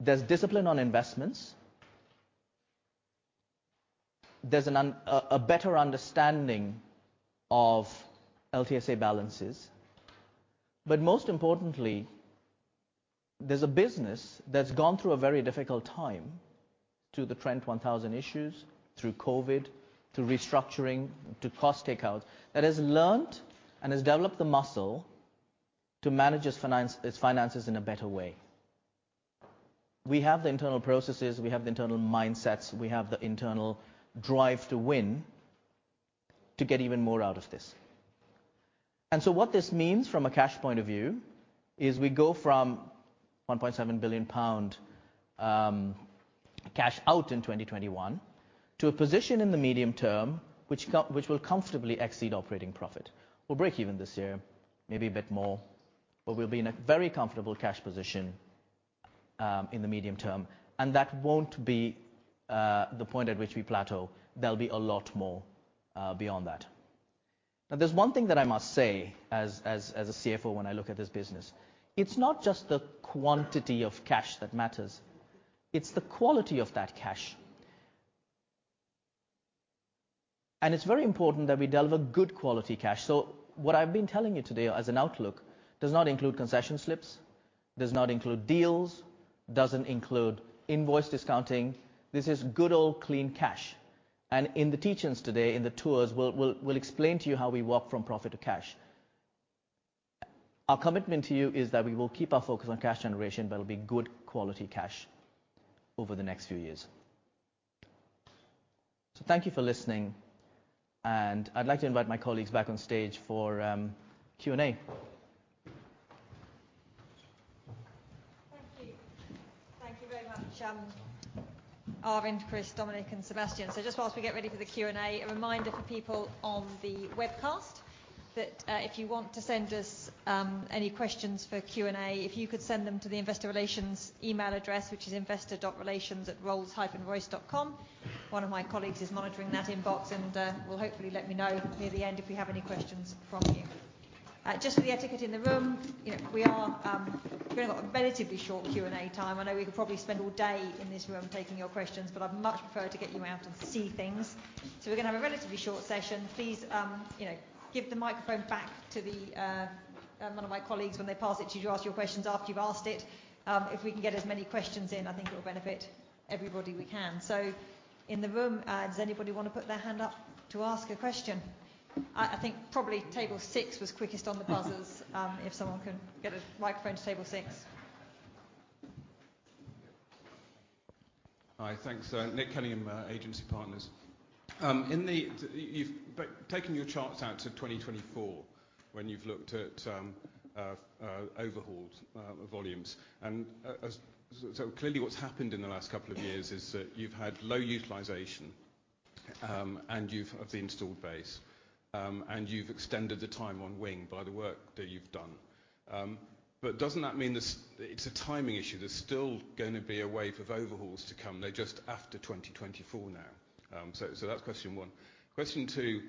There's discipline on investments. There's a better understanding of LTSA balances. Most importantly, there's a business that's gone through a very difficult time, through the Trent 1000 issues, through COVID, through restructuring, through cost takeout, that has learned and has developed the muscle to manage its finance, its finances in a better way. We have the internal processes. We have the internal mindsets. We have the internal drive to win to get even more out of this. What this means from a cash point of view is we go from 1.7 billion pound cash-out in 2021 to a position in the medium term which will comfortably exceed operating profit. We'll break even this year, maybe a bit more, but we'll be in a very comfortable cash position. In the medium term. That won't be the point at which we plateau. There'll be a lot more beyond that. Now, there's one thing that I must say as a CFO when I look at this business. It's not just the quantity of cash that matters, it's the quality of that cash. And it's very important that we deliver good quality cash. So what I've been telling you today as an outlook does not include concession slips, does not include deals, doesn't include invoice discounting. This is good old clean cash. And in the teach-ins today, in the tours, we'll explain to you how we work from profit to cash. Our commitment to you is that we will keep our focus on cash generation, but it'll be good quality cash over the next few years. Thank you for listening, and I'd like to invite my colleagues back on stage for Q&A.
Thank you. Thank you very much, Arvind, Chris, Dominic, and Sebastian. Just while we get ready for the Q&A, a reminder for people on the webcast that, if you want to send us, any questions for Q&A, if you could send them to the Investor Relations email address, which is investor.relations@rolls-royce.com. One of my colleagues is monitoring that inbox and, will hopefully let me know near the end if we have any questions from you. Just for the etiquette in the room, you know, we are, we've only got a relatively short Q&A time. I know we could probably spend all day in this room taking your questions, but I'd much prefer to get you out to see things. We're gonna have a relatively short session. Please, you know, give the microphone back to the one of my colleagues when they pass it to you to ask your questions after you've asked it. If we can get as many questions in, I think it'll benefit everybody we can. In the room, does anybody wanna put their hand up to ask a question? I think probably table six was quickest on the buzzers. If someone can get a microphone to table six.
Hi. Thanks. Nick Cunningham, Agency Partners. You've taken your charts out to 2024 when you've looked at overhauled volumes. Clearly what's happened in the last couple of years is that you've had low utilization of the installed base, and you've extended the time on wing by the work that you've done. But doesn't that mean it's a timing issue? There's still gonna be a wave of overhauls to come, they're just after 2024 now. That's question one. Question two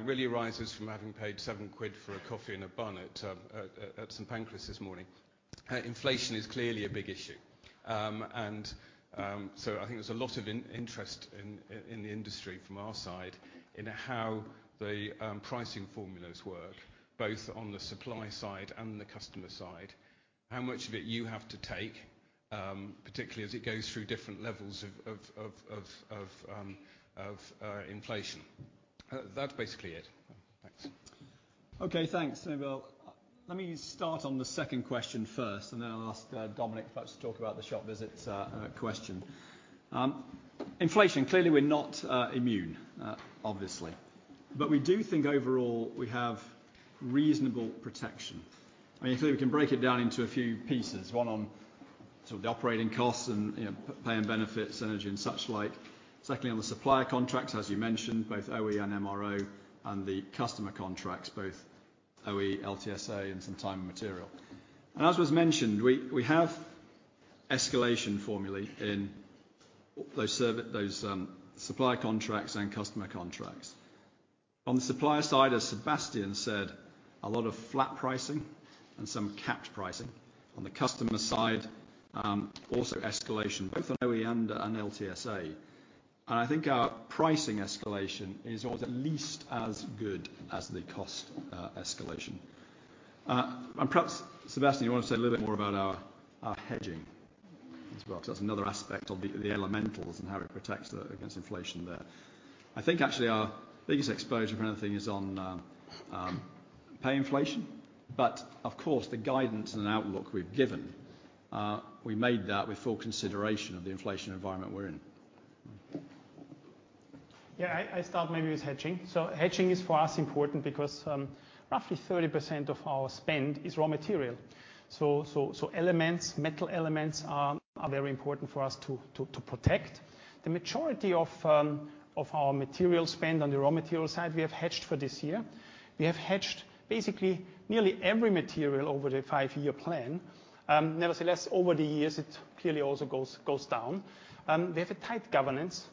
really arises from having paid 7 quid for a coffee and a bun at St. Pancras this morning. Inflation is clearly a big issue. I think there's a lot of interest in the industry from our side in how the pricing formulas work, both on the supply side and the customer side. How much of it you have to take, particularly as it goes through different levels of inflation. That's basically it. Thanks.
Okay, thanks. Well, let me start on the second question first, and then I'll ask Dominic perhaps to talk about the shop visits question. Inflation, clearly we're not immune, obviously. We do think overall we have reasonable protection. I mean, clearly we can break it down into a few pieces. One on sort of the operating costs and, you know, pay and benefits, energy, and such like. Secondly, on the supplier contracts, as you mentioned, both OE and MRO, and the customer contracts, both OE, LTSA, and some time and material. As was mentioned, we have escalation formulae in those supply contracts and customer contracts. On the supplier side, as Sebastian said, a lot of flat pricing and some capped pricing. On the customer side, also escalation, both on OE and LTSA. I think our pricing escalation is at least as good as the cost escalation. Perhaps Sebastian, you want to say a little bit more about our hedging as well. That's another aspect of the fundamentals and how it protects us against inflation there. I think actually our biggest exposure if anything is on pay inflation. Of course, the guidance and outlook we've given, we made that with full consideration of the inflation environment we're in.
Yeah. I start maybe with hedging. Hedging is for us important because roughly 30% of our spend is raw material. Elements, metal elements are very important for us to protect. The majority of our material spend on the raw material side, we have hedged for this year. We have hedged basically nearly every material over the five-year plan. Nevertheless, over the years, it clearly also goes down. We have a tight governance.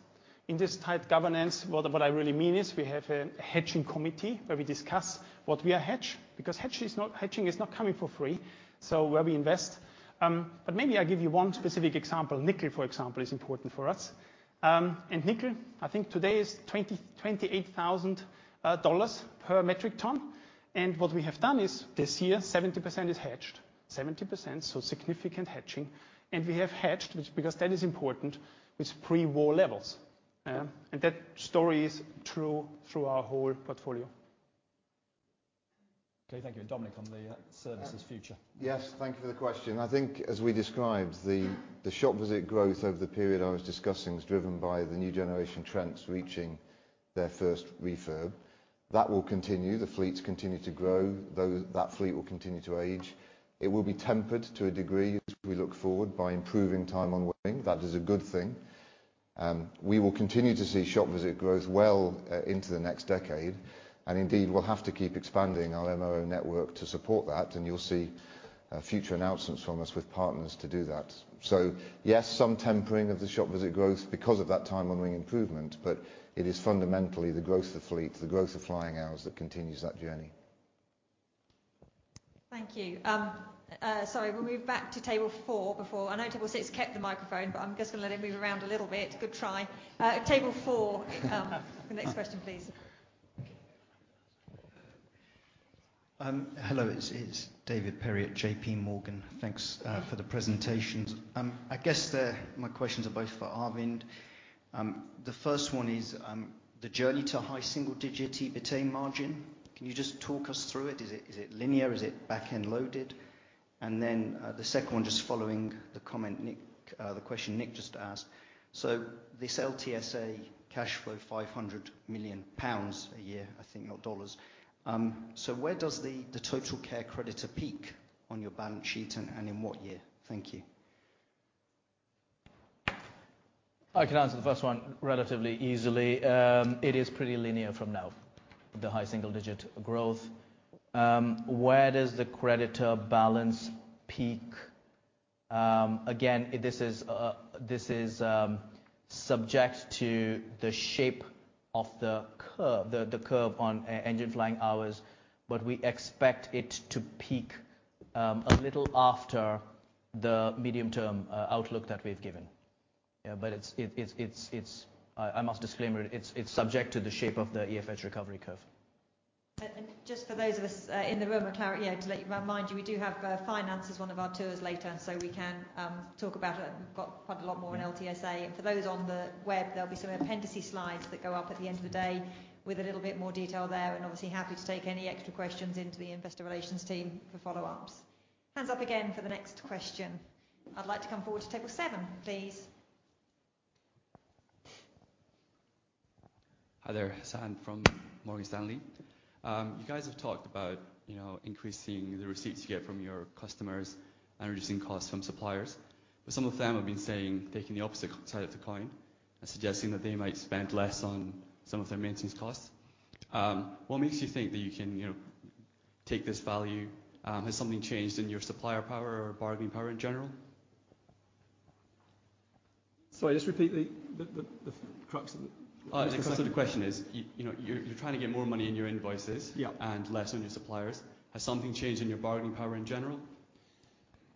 In this tight governance, what I really mean is we have a hedging committee where we discuss what we are hedging, because hedging is not coming for free. Where we invest. But maybe I'll give you one specific example. Nickel, for example, is important for us. Nickel, I think today is GB28,000 per metric ton. What we have done is this year, 70% is hedged, so significant hedging. We have hedged, which because that is important, with pre-war levels. That story is true through our whole portfolio.
Okay, thank you. Dominic, on the services future.
Yes. Thank you for the question. I think as we described, the shop visit growth over the period I was discussing was driven by the new generation Trents reaching their first refurb. That will continue. The fleets continue to grow. Though that fleet will continue to age. It will be tempered to a degree as we look forward by improving time on wing. That is a good thing. We will continue to see shop visit growth well into the next decade. Indeed, we'll have to keep expanding our MRO network to support that, and you'll see future announcements from us with partners to do that. Yes, some tempering of the shop visit growth because of that time on wing improvement, but it is fundamentally the growth of fleets, the growth of flying hours that continues that journey.
Thank you. Sorry, we'll move back to table four. I know table six kept the microphone, but I'm just gonna let him move around a little bit. Good try. Table four. The next question, please.
Hello. It's David Perry at JPMorgan. Thanks for the presentations. I guess my questions are both for Arvind. The first one is the journey to high single-digit EBITA margin. Can you just talk us through it? Is it linear? Is it back-end loaded? And then the second one, just following the comment Nick, the question Nick just asked. This LTSA cash flow 500 million pounds a year, I think, not dollars. So where does the TotalCare creditor peak on your balance sheet and in what year? Thank you.
I can answer the first one relatively easily. It is pretty linear from now, the high single digit growth. Where does the creditor balance peak? Again, this is subject to the shape of the curve, the curve on engine flying hours, but we expect it to peak a little after the medium-term outlook that we've given. Yeah. It's. I must disclaim it. It's subject to the shape of the EFH recovery curve.
Just for those of us in the room for clarity, yeah, to remind you, we do have finance as one of our tours later, so we can talk about it. We've got quite a lot more on LTSA. For those on the web, there'll be some appendix slides that go up at the end of the day with a little bit more detail there. Obviously happy to take any extra questions into the investor relations team for follow-ups. Hands up again for the next question. I'd like to come forward to table seven, please.
Hi there. Hassan from Morgan Stanley. You guys have talked about, you know, increasing the receipts you get from your customers and reducing costs from suppliers. Some of them have been saying, taking the opposite side of the coin and suggesting that they might spend less on some of their maintenance costs. What makes you think that you can, you know, take this value? Has something changed in your supplier power or bargaining power in general?
Sorry, just repeat the crux of the
The crux of the question is, you know, you're trying to get more money in your invoices-
Yeah
less on your suppliers. Has something changed in your bargaining power in general?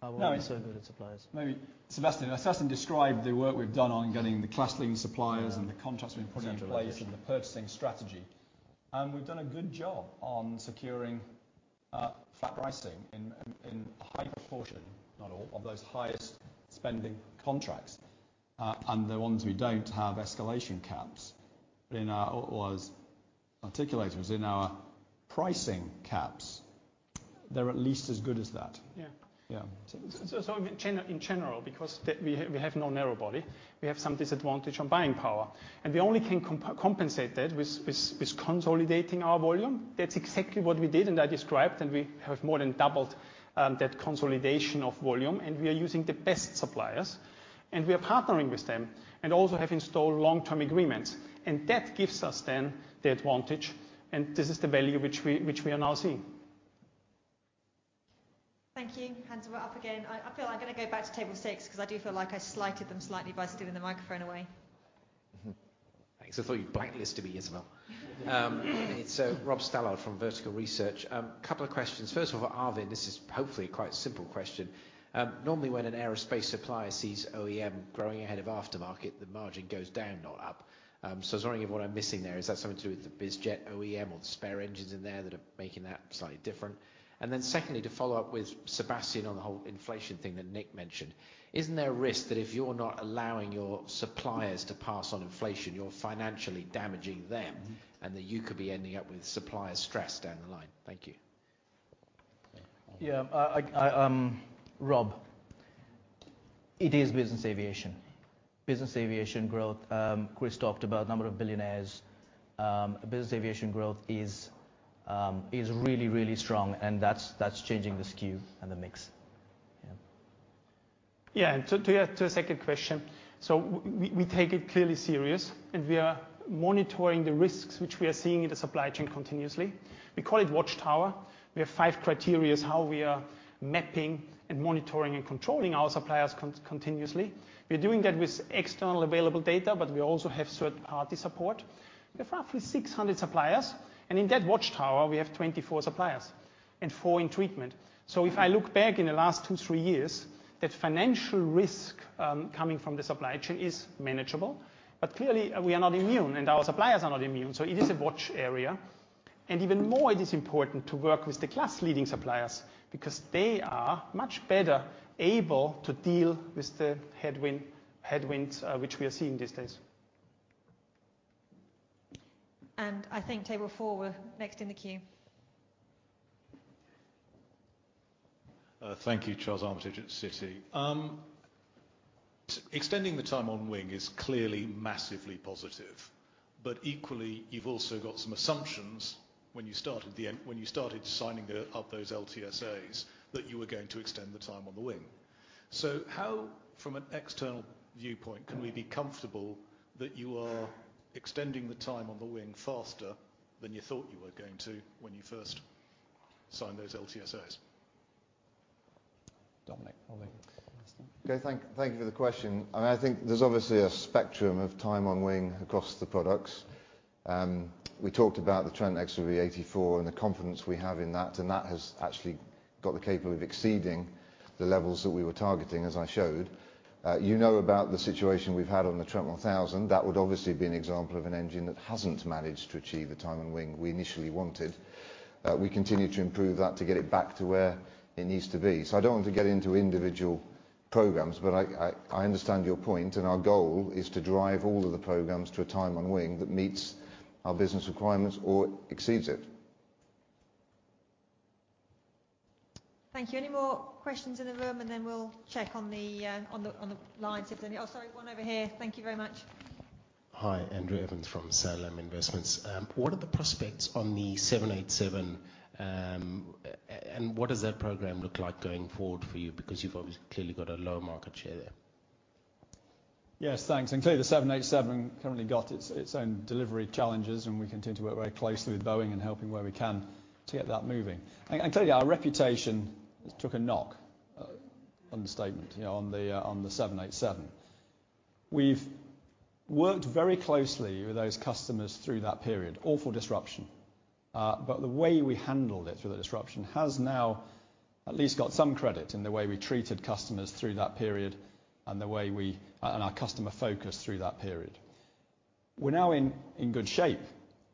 With some of the suppliers.
Maybe Sebastian. Sebastian described the work we've done on getting the class leading suppliers and the contracts we've put into place and the purchasing strategy. We've done a good job on securing flat pricing in a high proportion, not all, of those highest spending contracts. The ones we don't have escalation caps or alternatives in our pricing caps, they're at least as good as that.
Yeah.
Yeah.
In general, because that we have no narrow body, we have some disadvantage on buying power, and we only can compensate that with consolidating our volume. That's exactly what we did, and I described, and we have more than doubled that consolidation of volume, and we are using the best suppliers, and we are partnering with them, and also have installed long-term agreements. That gives us then the advantage, and this is the value which we are now seeing.
Thank you. Hands went up again. I feel I'm gonna go back to table six because I do feel like I slighted them slightly by stealing the microphone away.
Thanks. I thought you blacklisted me, Isabel. It's Rob Stallard from Vertical Research Partners. Couple of questions. First of all, for Arvind, this is hopefully a quite simple question. Normally when an aerospace supplier sees OEM growing ahead of aftermarket, the margin goes down, not up. So I was wondering if what I'm missing there, is that something to do with the biz jet OEM or the spare engines in there that are making that slightly different? And then secondly, to follow up with Sebastian on the whole inflation thing that Nick mentioned, isn't there a risk that if you're not allowing your suppliers to pass on inflation, you're financially damaging them, and that you could be ending up with supplier stress down the line? Thank you.
Yeah. Rob, it is business aviation. Business aviation growth, Chris talked about number of billionaires, business aviation growth is really strong, and that's changing the skew and the mix. Yeah.
Yeah. To the second question. We take it very seriously, and we are monitoring the risks which we are seeing in the supply chain continuously. We call it Watchtower. We have five criteria how we are mapping and monitoring and controlling our suppliers continuously. We are doing that with externally available data, but we also have third-party support. We have roughly 600 suppliers, and in that Watchtower, we have 24 suppliers and four in treatment. If I look back in the last two-three years, that financial risk coming from the supply chain is manageable. Clearly, we are not immune, and our suppliers are not immune. It is a watch area. Even more, it is important to work with the class-leading suppliers because they are much better able to deal with the headwinds which we are seeing these days.
I think table four were next in the queue.
Thank you. Charles Armitage at Citi. Extending the time on wing is clearly massively positive. Equally, you've also got some assumptions when you started signing up those LTSAs that you were going to extend the time on the wing. How, from an external viewpoint, can we be comfortable that you are extending the time on the wing faster than you thought you were going to when you first signed those LTSAs?
Dominic? I'll leave.
Okay. Thank you for the question. I mean, I think there's obviously a spectrum of time on wing across the products. We talked about the Trent XWB-84 and the confidence we have in that, and that has actually got the capability of exceeding the levels that we were targeting, as I showed. You know about the situation we've had on the Trent 1000. That would obviously be an example of an engine that hasn't managed to achieve the time on wing we initially wanted. We continue to improve that to get it back to where it needs to be. I don't want to get into individual programs, but I understand your point, and our goal is to drive all of the programs to a time on wing that meets our business requirements or exceeds it.
Thank you. Any more questions in the room? Then we'll check on the lines if any. Oh, sorry. One over here. Thank you very much.
Hi. Andrew Evans from Sarasin & Partners. What are the prospects on the 787, and what does that program look like going forward for you because you've obviously clearly got a lower market share there?
Yes, thanks. Clearly the 787 currently got its own delivery challenges, and we continue to work very closely with Boeing in helping where we can to get that moving. Clearly our reputation took a knock, understatement, you know, on the 787. We've worked very closely with those customers through that period. Awful disruption. The way we handled it through the disruption has now at least got some credit in the way we treated customers through that period and our customer focus through that period. We're now in good shape.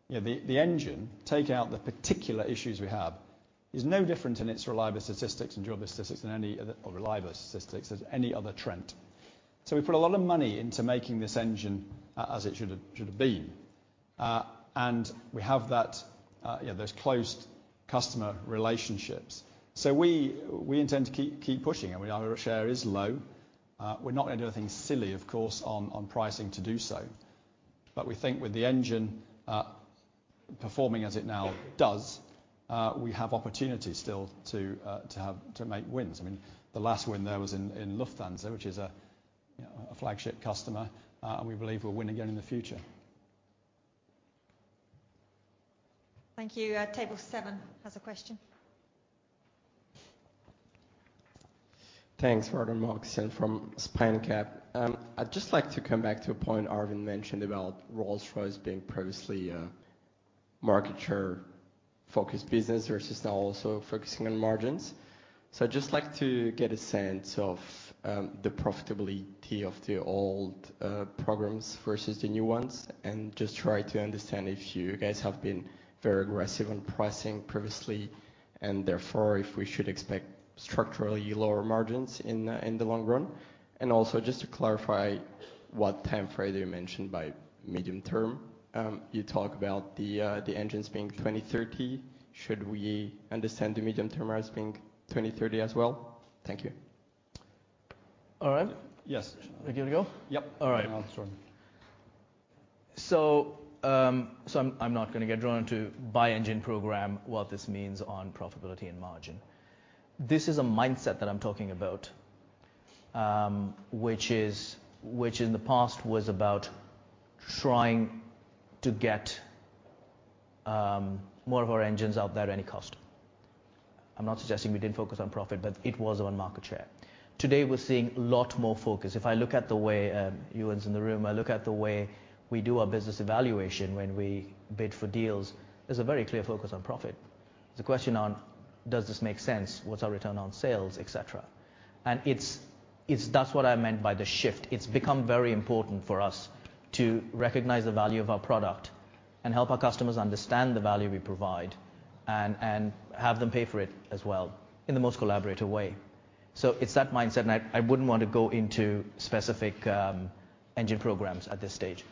The engine, take out the particular issues we have, is no different in its reliability statistics and durability statistics than any other Trent. We put a lot of money into making this engine as it should have been. We have that, you know, those close customer relationships. We intend to keep pushing. I mean, our share is low. We're not gonna do anything silly, of course, on pricing to do so. We think with the engine performing as it now does, we have opportunities still to have to make wins. I mean, the last win there was in Lufthansa, which is, you know, a flagship customer, and we believe we'll win again in the future.
Thank you. Table seven has a question.
Thanks. [Vernon Moxon] from [Spincap]. I'd just like to come back to a point Arvind mentioned about Rolls-Royce being previously a market share-focused business versus now also focusing on margins. I'd just like to get a sense of the profitability of the old programs versus the new ones and just try to understand if you guys have been very aggressive on pricing previously and therefore if we should expect structurally lower margins in the long run. Also just to clarify what time frame you mentioned by medium term. You talk about the engines being 2030. Should we understand the medium term as being 2030 as well? Thank you.
Arvind?
Yes.
You give it a go?
Yep.
All right.
No, sure. I'm not gonna get drawn into per engine program what this means on profitability and margin. This is a mindset that I'm talking about, which in the past was about trying to get more of our engines out there at any cost. I'm not suggesting we didn't focus on profit, but it was on market share. Today, we're seeing a lot more focus. If I look at the way, Ewen is in the room, I look at the way we do our business evaluation when we bid for deals, there's a very clear focus on profit. The question, does this make sense? What's our return on sales, et cetera? That's what I meant by the shift. It's become very important for us to recognize the value of our product and help our customers understand the value we provide and have them pay for it as well in the most collaborative way. It's that mindset, and I wouldn't want to go into specific engine programs at this stage.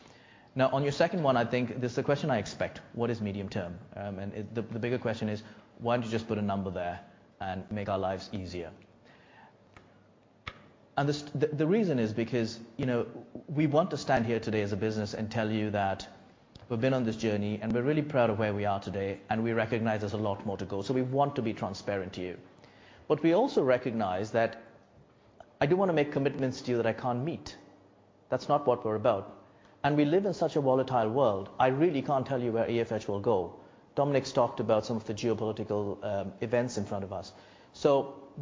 Now, on your second one, I think this is a question I expect. What is medium term? The bigger question is, why don't you just put a number there and make our lives easier? The reason is because, you know, we want to stand here today as a business and tell you that we've been on this journey, and we're really proud of where we are today, and we recognize there's a lot more to go. We want to be transparent to you. We also recognize that I don't want to make commitments to you that I can't meet. That's not what we're about. We live in such a volatile world. I really can't tell you where EFH will go. Dominic's talked about some of the geopolitical events in front of us.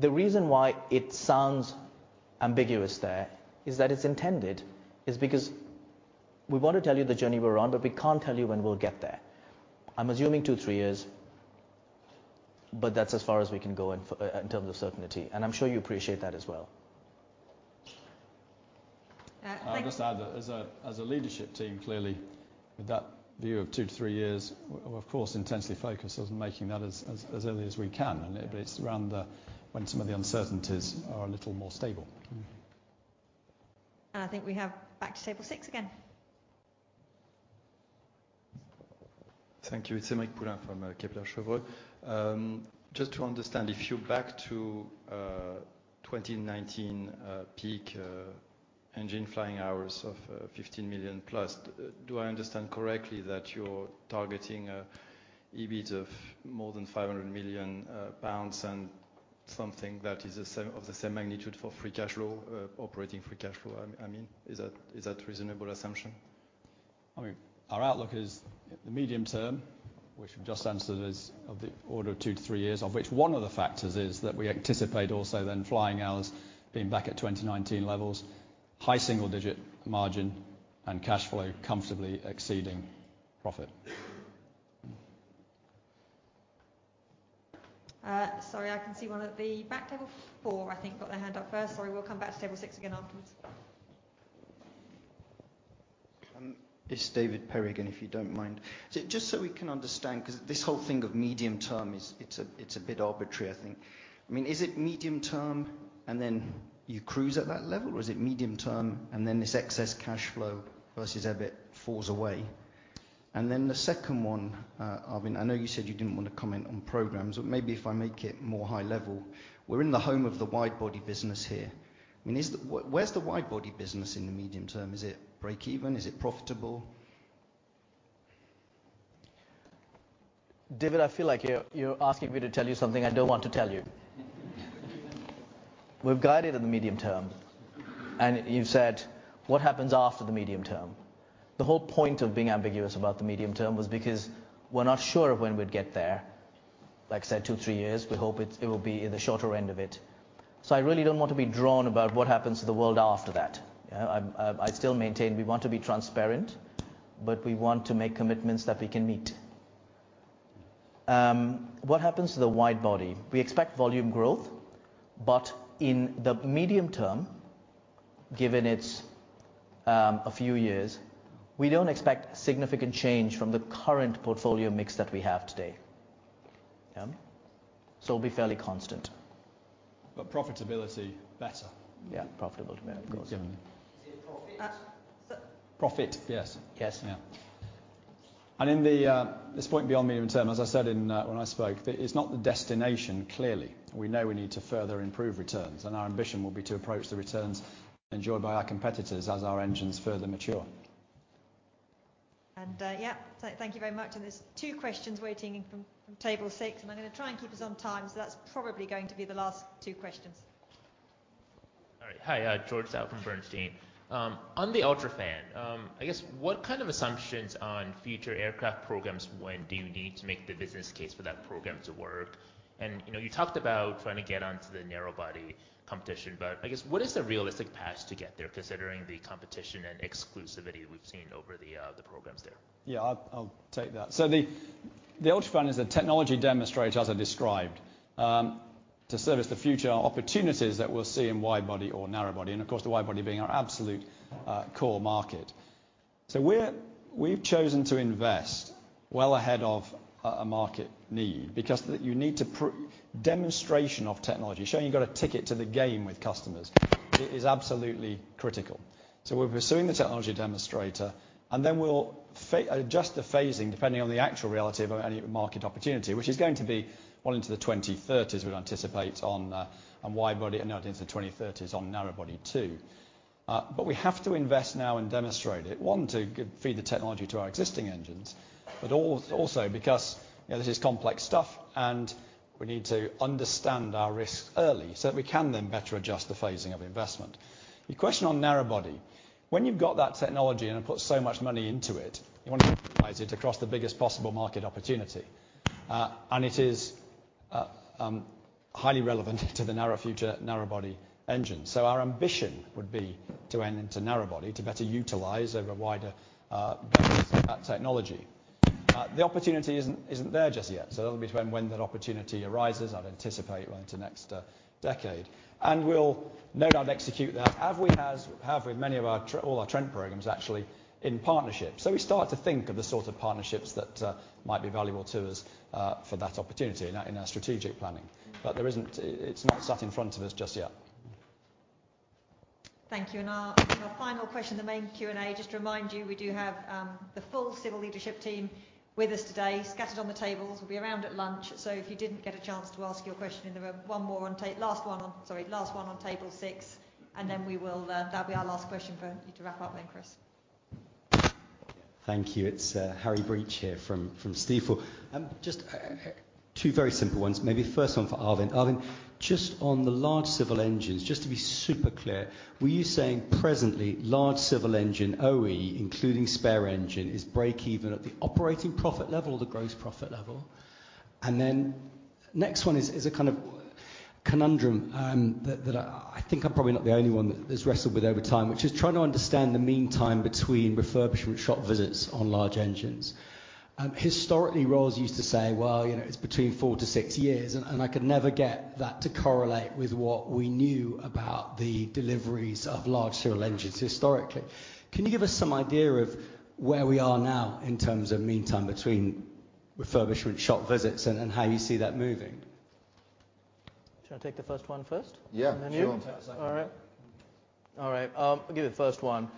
The reason why it sounds ambiguous there is that it's intended, is because we want to tell you the journey we're on, but we can't tell you when we'll get there. I'm assuming two-three years, but that's as far as we can go in terms of certainty, and I'm sure you appreciate that as well.
I think.
I'll just add that as a leadership team, clearly with that view of two-three years, we're of course intensely focused on making that as early as we can, but it's around when some of the uncertainties are a little more stable.
I think we're back to table six again.
Thank you. It's Aymeric Poulain from Kepler Cheuvreux. Just to understand, if you're back to 2019 peak engine flying hours of 15 million+, do I understand correctly that you're targeting EBIT of more than 500 million pounds and something of the same magnitude for operating free cash flow, I mean? Is that reasonable assumption?
I mean, our outlook is the medium term, which we've just answered, is of the order of two-three years. Of which one of the factors is that we anticipate also then flying hours being back at 2019 levels, high single-digit margin and cash flow comfortably exceeding profit.
Sorry, I can see one at the back. Table four, I think, got their hand up first. Sorry, we'll come back to table six again afterwards.
It's David Perry again, if you don't mind. Just so we can understand, 'cause this whole thing of medium term is, it's a bit arbitrary, I think. I mean, is it medium term, and then you cruise at that level? Or is it medium term, and then this excess cash flow versus EBIT falls away? Then the second one, Arvind, I know you said you didn't wanna comment on programs, but maybe if I make it more high level. We're in the home of the wide body business here. I mean, where's the wide body business in the medium term? Is it break even? Is it profitable?
David, I feel like you're asking me to tell you something I don't want to tell you. We've guided in the medium term, and you've said, "What happens after the medium term?" The whole point of being ambiguous about the medium term was because we're not sure of when we'd get there. Like I said, two-three years. We hope it will be in the shorter end of it. I really don't want to be drawn about what happens to the world after that. I still maintain we want to be transparent, but we want to make commitments that we can meet. What happens to the wide body? We expect volume growth, but in the medium term, given it's a few years, we don't expect significant change from the current portfolio mix that we have today. Yeah. It'll be fairly constant.
Profitability better.
Yeah, profitability better. Of course.
Yeah.
Is it profit?
At s-
Profit. Yes.
Yes.
Yeah. At this point beyond medium term, as I said when I spoke, that it's not the destination, clearly. We know we need to further improve returns, and our ambition will be to approach the returns enjoyed by our competitors as our engines further mature.
Yeah, thank you very much. There's two questions waiting in from table six, and I'm gonna try and keep us on time, so that's probably going to be the last two questions.
All right. Hi, George Zhao from Bernstein. On the UltraFan, I guess what kind of assumptions on future aircraft programs when do you need to make the business case for that program to work? You know, you talked about trying to get onto the narrow body competition, but I guess, what is the realistic path to get there considering the competition and exclusivity we've seen over the programs there?
Yeah, I'll take that. The UltraFan is a technology demonstrator, as I described, to service the future opportunities that we'll see in wide body or narrow body and of course, the wide body being our absolute core market. We've chosen to invest well ahead of a market need because the demonstration of technology, showing you've got a ticket to the game with customers is absolutely critical. We're pursuing the technology demonstrator, and then we'll adjust the phasing depending on the actual reality of any market opportunity, which is going to be well into the 2030s, we'd anticipate on wide body and out into the 2030s on narrow body too. But we have to invest now and demonstrate it. One, to feed the technology to our existing engines, but also because, you know, this is complex stuff, and we need to understand our risks early, so that we can then better adjust the phasing of investment. Your question on narrowbody. When you've got that technology and have put so much money into it, you want to utilize it across the biggest possible market opportunity. And it is highly relevant to the narrowbody future, narrowbody engine. So our ambition would be to enter narrowbody to better utilize over a wider base of that technology. The opportunity isn't there just yet, so that'll be to when that opportunity arises. I'd anticipate well into next decade. We'll no doubt execute that, as we have all our Trent programs actually in partnership. We start to think of the sort of partnerships that might be valuable to us for that opportunity in our strategic planning. There isn't. It's not sat in front of us just yet.
Thank you. Our final question in the main Q&A, just to remind you, we do have the full Civil leadership team with us today scattered on the tables, will be around at lunch. If you didn't get a chance to ask your question in the room, sorry, last one on table six, and then that'll be our last question for you to wrap up then, Chris.
Thank you. It's Harry Breach here from Stifel. Just two very simple ones. Maybe first one for Arvind. Arvind, just on the large civil engines, just to be super clear, were you saying presently large civil engine OE, including spare engine, is break even at the operating profit level or the gross profit level? Next one is a kind of conundrum that I think I'm probably not the only one that has wrestled with over time, which is trying to understand the mean time between refurbishment shop visits on large engines. Historically Rolls used to say, "Well, you know, it's between four-six years," and I could never get that to correlate with what we knew about the deliveries of large civil engines historically. Can you give us some idea of where we are now in terms of mean time between refurbishment shop visits and how you see that moving?
Should I take the first one first?
Yeah, sure.
You.
I'll take the second one.
All right. I'll give you the first one.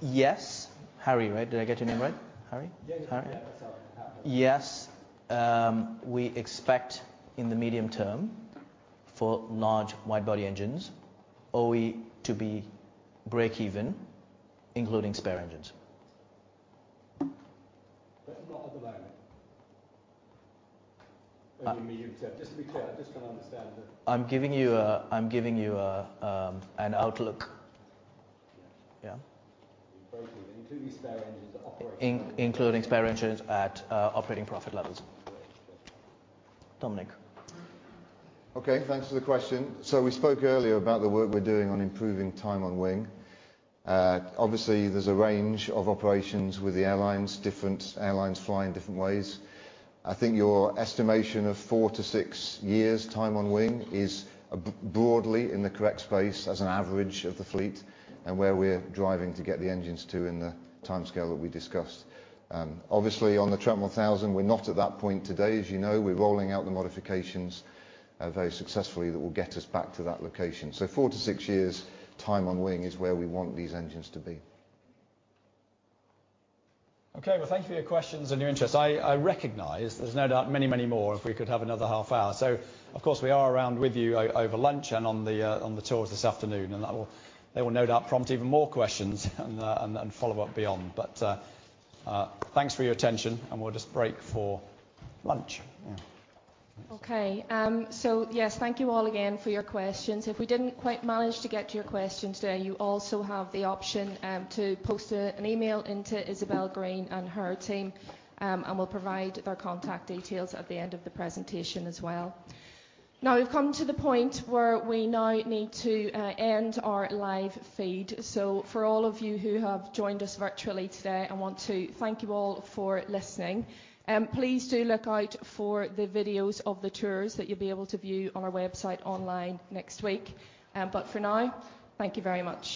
Yes. Harry, right? Did I get your name right? Harry?
Yeah, that's all right.
Harry. Yes, we expect in the medium term for large wide-body engines, OE to be breakeven, including spare engines.
Not at the moment. In the medium term. Just to be clear, I just wanna understand the-
I'm giving you an outlook.
Yeah.
Yeah.
Breakeven, including spare engines at operating-
Including spare engines at operating profit levels.
Great. Thank you.
Dominic.
Okay, thanks for the question. We spoke earlier about the work we're doing on improving time on wing. Obviously, there's a range of operations with the airlines, different airlines flying different ways. I think your estimation of four-six years' time on wing is broadly in the correct space as an average of the fleet and where we're driving to get the engines to in the timescale that we discussed. Obviously on the Trent 1000, we're not at that point today. As you know, we're rolling out the modifications, very successfully that will get us back to that location. Four-six years' time on wing is where we want these engines to be.
Okay. Well, thank you for your questions and your interest. I recognize there's no doubt many more if we could have another half hour. Of course we are around with you over lunch and on the tours this afternoon, and they will no doubt prompt even more questions and follow-up beyond. Thanks for your attention, and we'll just break for lunch.
Yes, thank you all again for your questions. If we didn't quite manage to get to your question today, you also have the option to send an email to Isabel Green and her team, and we'll provide their contact details at the end of the presentation as well. Now we've come to the point where we need to end our live feed. For all of you who have joined us virtually today, I want to thank you all for listening. Please do look out for the videos of the tours that you'll be able to view on our website online next week. For now, thank you very much.